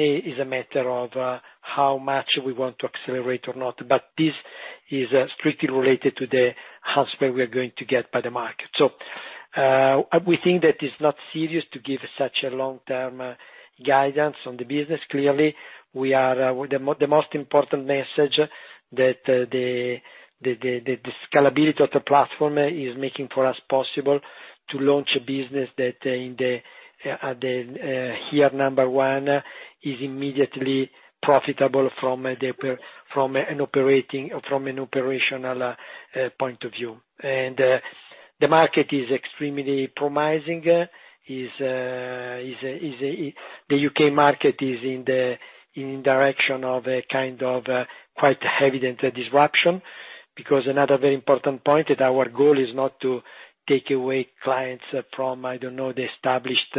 it is a matter of how much we want to accelerate or not. This is strictly related to the pace we're going to get by the market. We think that it's not serious to give such a long-term guidance on the business. Clearly, the most important message that the scalability of the platform is making for us possible to launch a business that in the year 1, is immediately profitable from an operational point of view. The market is extremely promising. The U.K. market is in direction of a quite evident disruption, because another very important point that our goal is not to take away clients from the established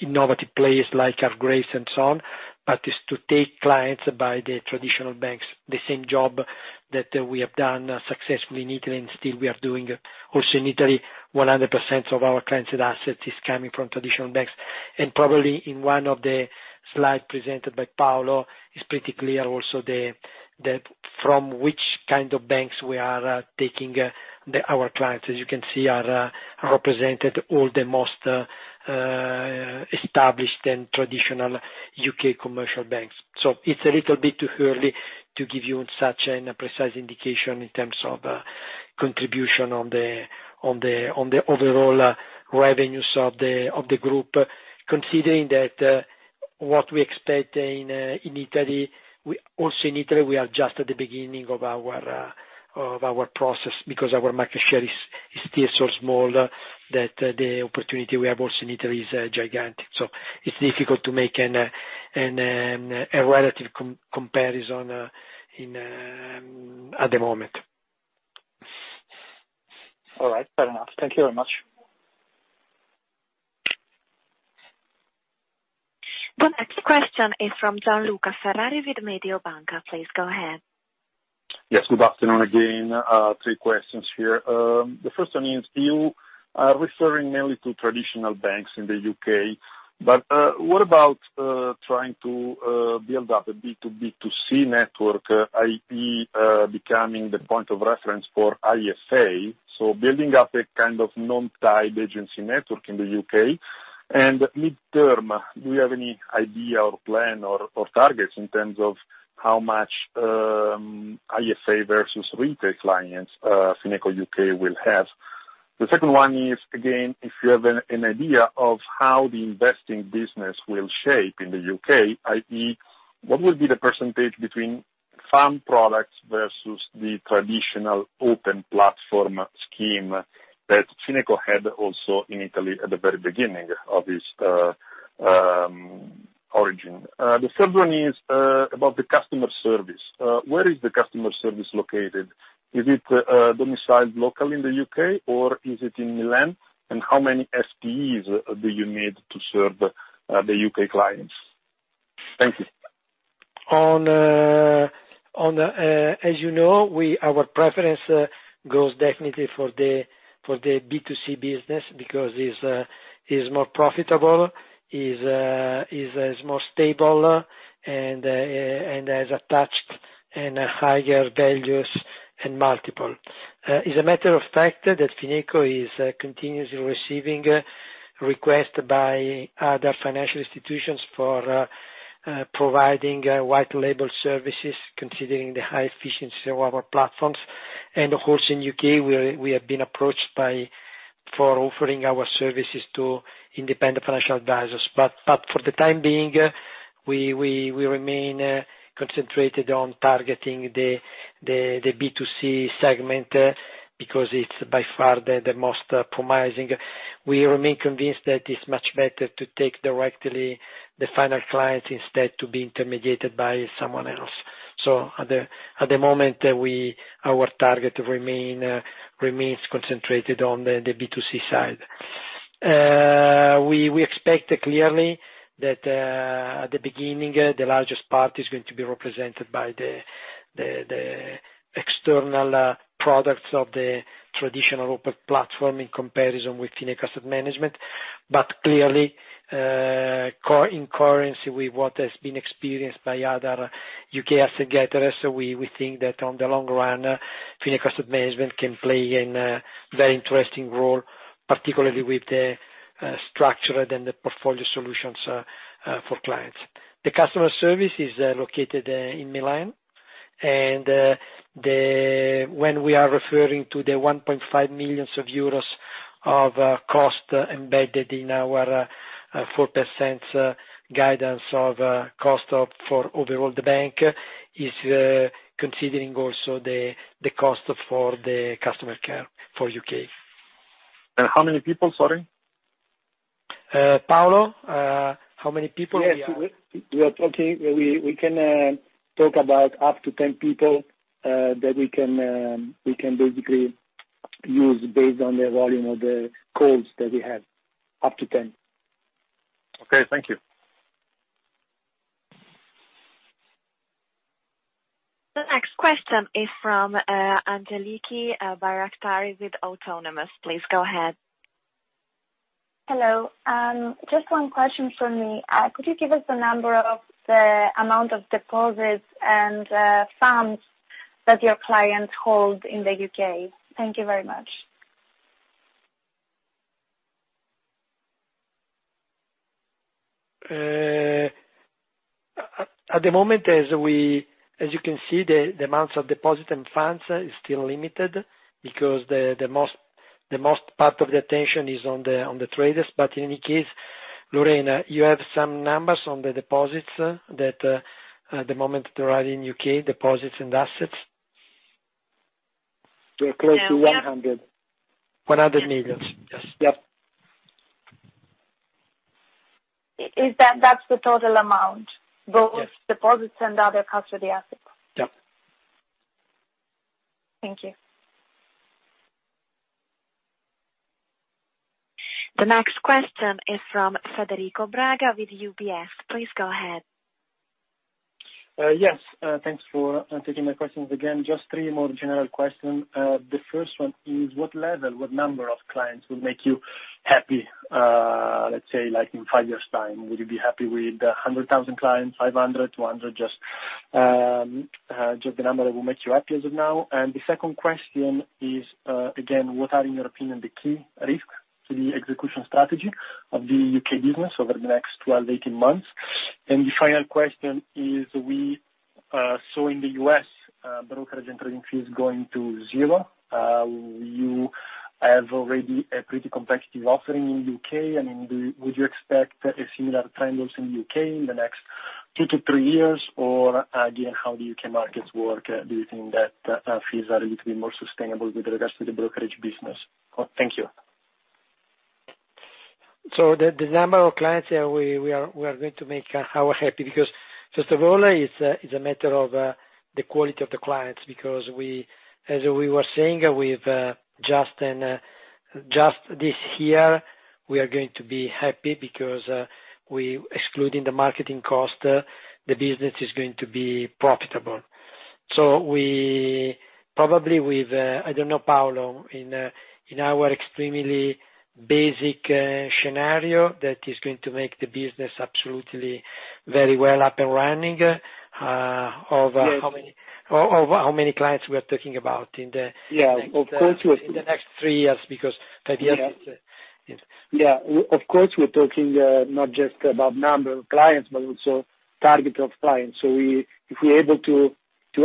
innovative players like Hargreaves and so on, but is to take clients by the traditional banks, the same job that we have done successfully in Italy, and still we are doing also in Italy, 100% of our clients' assets is coming from traditional banks. Probably in one of the slides presented by Paolo is pretty clear also that from which kind of banks we are taking our clients. As you can see, are represented all the most established and traditional U.K. commercial banks. It's a little bit too early to give you such a precise indication in terms of contribution on the overall revenues of the group, considering that what we expect also in Italy, we are just at the beginning of our process because our market share is still so small that the opportunity we have also in Italy is gigantic. It's difficult to make a relative comparison at the moment. All right. Fair enough. Thank you very much. The next question is from Gianluca Ferrari with Mediobanca. Please go ahead. Yes, good afternoon again. Three questions here. The first one is, you are referring mainly to traditional banks in the U.K. What about trying to build up a B2B2C network, i.e., becoming the point of reference for ISA, so building up a kind of non-tied agency network in the U.K.? Midterm, do you have any idea or plan or targets in terms of how much ISA versus retail clients Fineco U.K. will have? The second one is, again, if you have an idea of how the investing business will shape in the U.K., i.e., what will be the percentage between firm products versus the traditional open platform scheme that Fineco had also in Italy at the very beginning of its origin. The third one is about the customer service. Where is the customer service located? Is it domiciled local in the U.K. or is it in Milan? How many FTEs do you need to serve the U.K. clients? Thank you. As you know, our preference goes definitely for the B2C business because it's more profitable, it's more stable, and has attached higher values and multiple. It's a matter of fact that Fineco is continuously receiving requests by other financial institutions for providing white label services, considering the high efficiency of our platforms. Of course, in U.K., we have been approached for offering our services to independent financial advisors. For the time being, we remain concentrated on targeting the B2C segment because it's by far the most promising. We remain convinced that it's much better to take directly the final clients instead to be intermediated by someone else. At the moment, our target remains concentrated on the B2C side. We expect clearly that at the beginning, the largest part is going to be represented by the external products of the traditional open platform in comparison with Fineco Asset Management. Clearly, in coherence with what has been experienced by other U.K. asset gatherers, we think that on the long run, Fineco Asset Management can play a very interesting role, particularly with the structured and the portfolio solutions for clients. When we are referring to the 1.5 million euros of cost embedded in our 4% guidance of cost for overall the bank is considering also the cost for the customer care for U.K. How many people? Sorry. Paolo, how many people? Yes. We can talk about up to 10 people that we can basically use based on the volume of the calls that we have up to 10. Okay. Thank you. The next question is from Angeliki Bairaktari with Autonomous. Please go ahead. Hello. Just one question from me. Could you give us the number of the amount of deposits and funds that your clients hold in the U.K.? Thank you very much. At the moment, as you can see, the amounts of deposit and funds is still limited because the most part of the attention is on the traders. In any case, Lorena, you have some numbers on the deposits that at the moment there are in U.K., deposits and assets? We are close to 100. 100 million. Yes. That's the total amount both deposits and other custody assets? Yep. Thank you. The next question is from Federico Braga with UBS. Please go ahead. Yes. Thanks for taking my questions again. Just three more general questions. The first one is, what level, what number of clients will make you happy, let's say, like in five years' time? Would you be happy with 100,000 clients, 500, 200? Just the number that will make you happy as of now. The second question is, again, what are, in your opinion, the key risks to the execution strategy of the U.K. business over the next 12 to 18 months? The final question is, we saw in the U.S. brokerage entry fees going to zero. You have already a pretty competitive offering in U.K. Would you expect similar trends in U.K. in the next two to three years? Again, how the U.K. markets work, do you think that fees are a little bit more sustainable with regards to the brokerage business? Thank you. The number of clients we are going to make our happy because first of all, it's a matter of the quality of the clients because as we were saying with Justin, just this year, we are going to be happy because excluding the marketing cost, the business is going to be profitable. Probably with, I don't know, Paolo, in our extremely basic scenario, that is going to make the business absolutely very well up and running. How many clients we're talking about in the next three years, because that year. Yeah. Of course, we're talking not just about number of clients, but also target of clients. If we're able to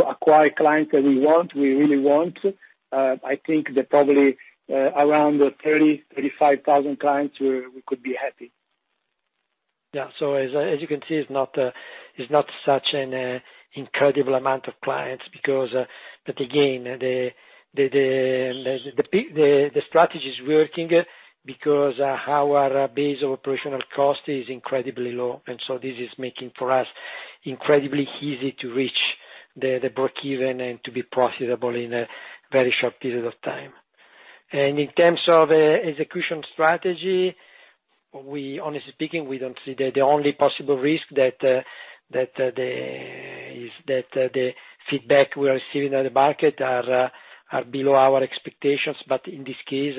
acquire clients that we want, we really want, I think that probably around 30,000, 35,000 clients, we could be happy. Yeah. As you can see, it's not such an incredible amount of clients because, but again, the strategy is working because our base of operational cost is incredibly low. This is making for us incredibly easy to reach the breakeven and to be profitable in a very short period of time. In terms of execution strategy, honestly speaking, we don't see the only possible risk that the feedback we are receiving at the market are below our expectations. In this case,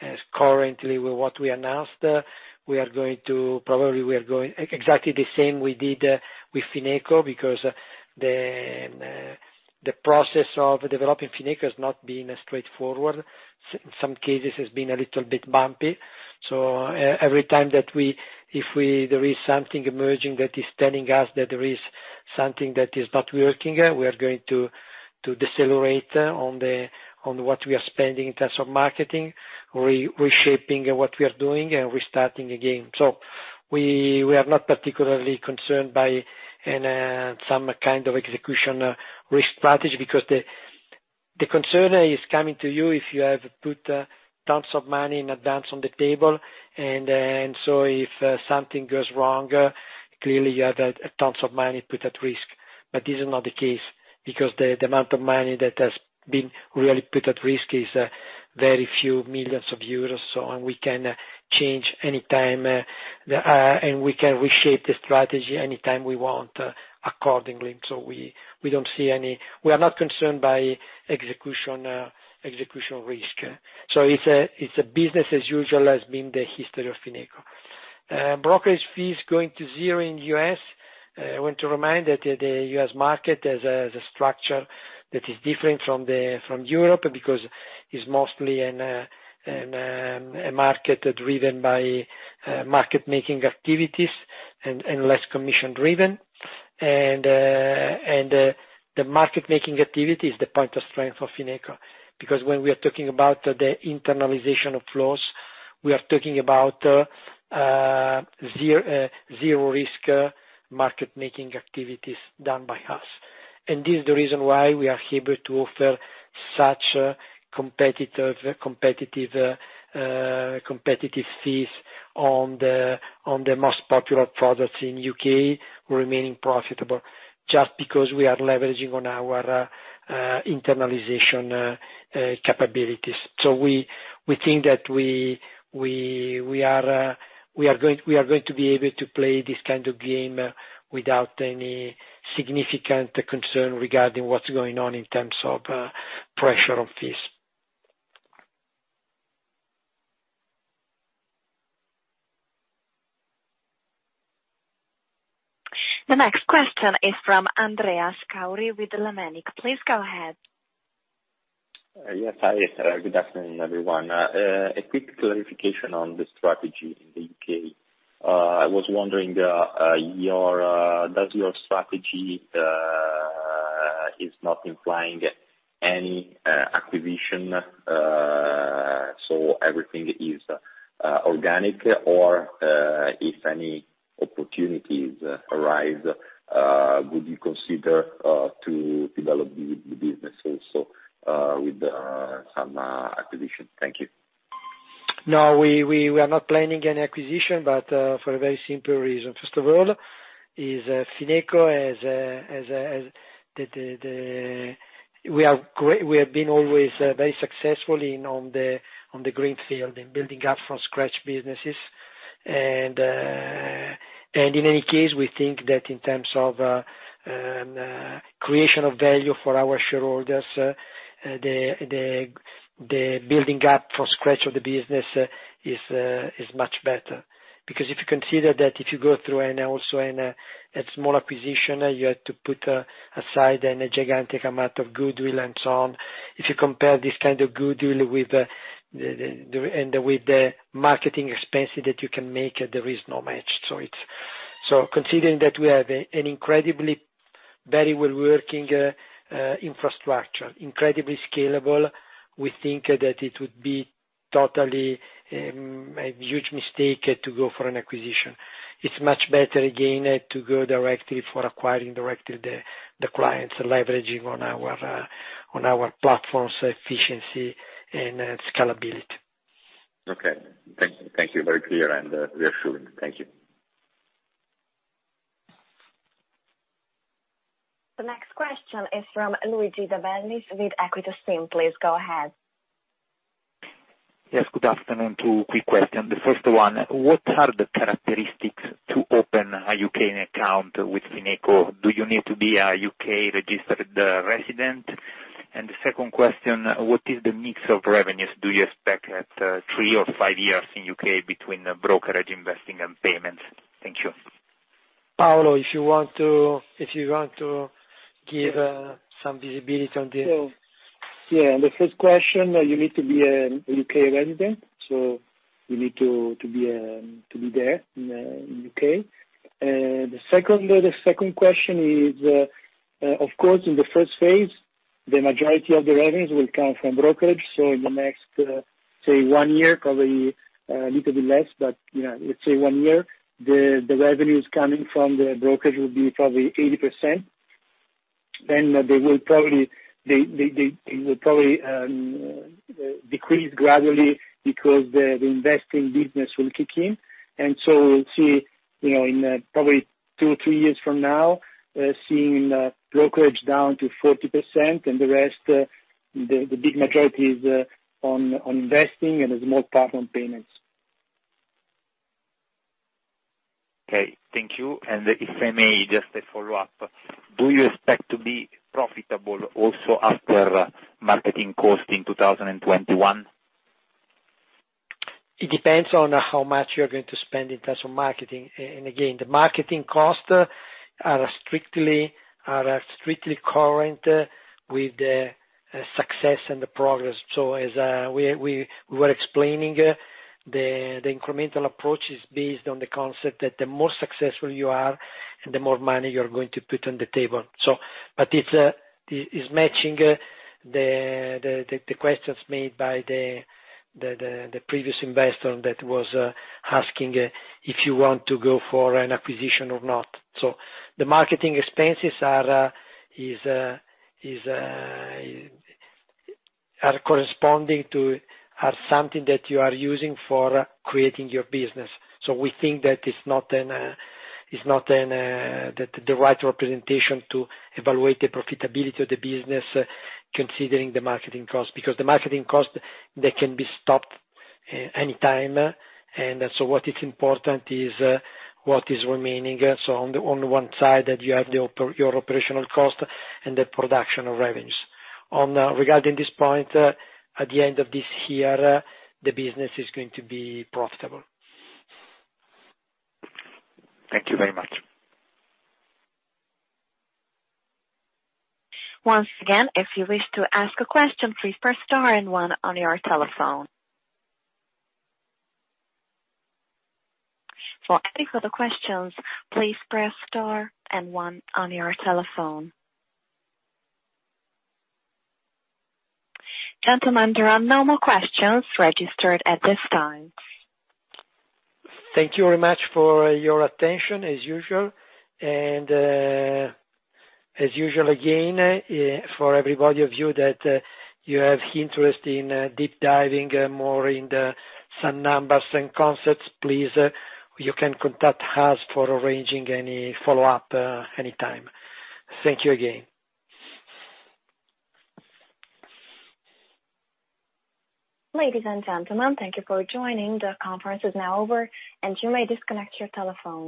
as currently with what we announced, probably we are going exactly the same we did with Fineco because the process of developing Fineco has not been straightforward. In some cases it's been a little bit bumpy. Every time that there is something emerging that is telling us that there is something that is not working, we are going to decelerate on what we are spending in terms of marketing, reshaping what we are doing and restarting again. We are not particularly concerned by some kind of execution risk strategy because the concern is coming to you if you have put tons of money in advance on the table. If something goes wrong, clearly you have tons of money put at risk. This is not the case because the amount of money that has been really put at risk is very few millions of euros. We can change anytime, and we can reshape the strategy anytime we want accordingly. We are not concerned by execution risk. It's a business as usual as been the history of Fineco. Brokerage fees going to zero in the U.S. I want to remind that the U.S. market has a structure that is different from Europe because it's mostly a market driven by market making activities and less commission driven. The market making activity is the point of strength of Fineco because when we are talking about the internalization of flows, we are talking about zero risk market making activities done by us. This is the reason why we are able to offer such competitive fees on the most popular products in the U.K. remaining profitable, just because we are leveraging on our internalization capabilities. We think that we are going to be able to play this kind of game without any significant concern regarding what's going on in terms of pressure on fees. The next question is from Andrea Scauri with Lemanik. Please go ahead. Yes. Hi. Good afternoon, everyone. A quick clarification on the strategy in the U.K. I was wondering, does your strategy is not implying any acquisition so everything is organic? If any opportunities arise, would you consider to develop the business also with some acquisition? Thank you. No, we are not planning any acquisition for a very simple reason. First of all, we have been always very successful on the greenfield in building up from scratch businesses. In any case, we think that in terms of creation of value for our shareholders, the building up from scratch of the business is much better. If you consider that if you go through and also in a small acquisition, you have to put aside a gigantic amount of goodwill and so on. If you compare this kind of goodwill with the marketing expenses that you can make, there is no match. Considering that we have an incredibly, very well-working infrastructure, incredibly scalable, we think that it would be totally a huge mistake to go for an acquisition. It's much better, again, to go directly for acquiring directly the clients leveraging on our platform's efficiency and scalability. Okay. Thank you. Very clear and reassuring. Thank you. The next question is from Luigi De Bellis with Equita SIM. Please go ahead. Yes, good afternoon. Two quick questions. The first one, what are the characteristics to open a U.K. account with Fineco? Do you need to be a U.K. registered resident? The second question, what is the mix of revenues do you expect at three or five years in U.K. between brokerage investing and payments? Thank you. Paolo, if you want to give some visibility on this. Yeah, on the first question, you need to be a U.K. resident, so you need to be there in the U.K. The second question is, of course, in the first phase, the majority of the revenues will come from brokerage. In the next, say one year, probably a little bit less, but let's say one year, the revenues coming from the brokerage will be probably 80%. They will probably decrease gradually because the investing business will kick in. We'll see in probably two or three years from now, seeing brokerage down to 40% and the rest, the big majority is on investing and a small part on payments. Okay. Thank you. If I may, just a follow-up. Do you expect to be profitable also after marketing cost in 2021? It depends on how much you're going to spend in terms of marketing. Again, the marketing costs are strictly coherent with the success and the progress. As we were explaining, the incremental approach is based on the concept that the more successful you are, the more money you're going to put on the table. It's matching the questions made by the previous investor that was asking if you want to go for an acquisition or not. The marketing expenses are corresponding to something that you are using for creating your business. We think that it's not the right representation to evaluate the profitability of the business considering the marketing cost, because the marketing cost, they can be stopped any time. What is important is what is remaining. On the one side, you have your operational cost and the production of revenues. Regarding this point, at the end of this year, the business is going to be profitable. Thank you very much. Once again, if you wish to ask a question, please press star and one on your telephone. For any further questions, please press star and one on your telephone. Gentlemen, there are no more questions registered at this time. Thank you very much for your attention, as usual. As usual again, for everybody of you that you have interest in deep diving more in some numbers and concepts, please, you can contact us for arranging any follow-up anytime. Thank you again. Ladies and gentlemen, thank you for joining. The conference is now over, and you may disconnect your telephone.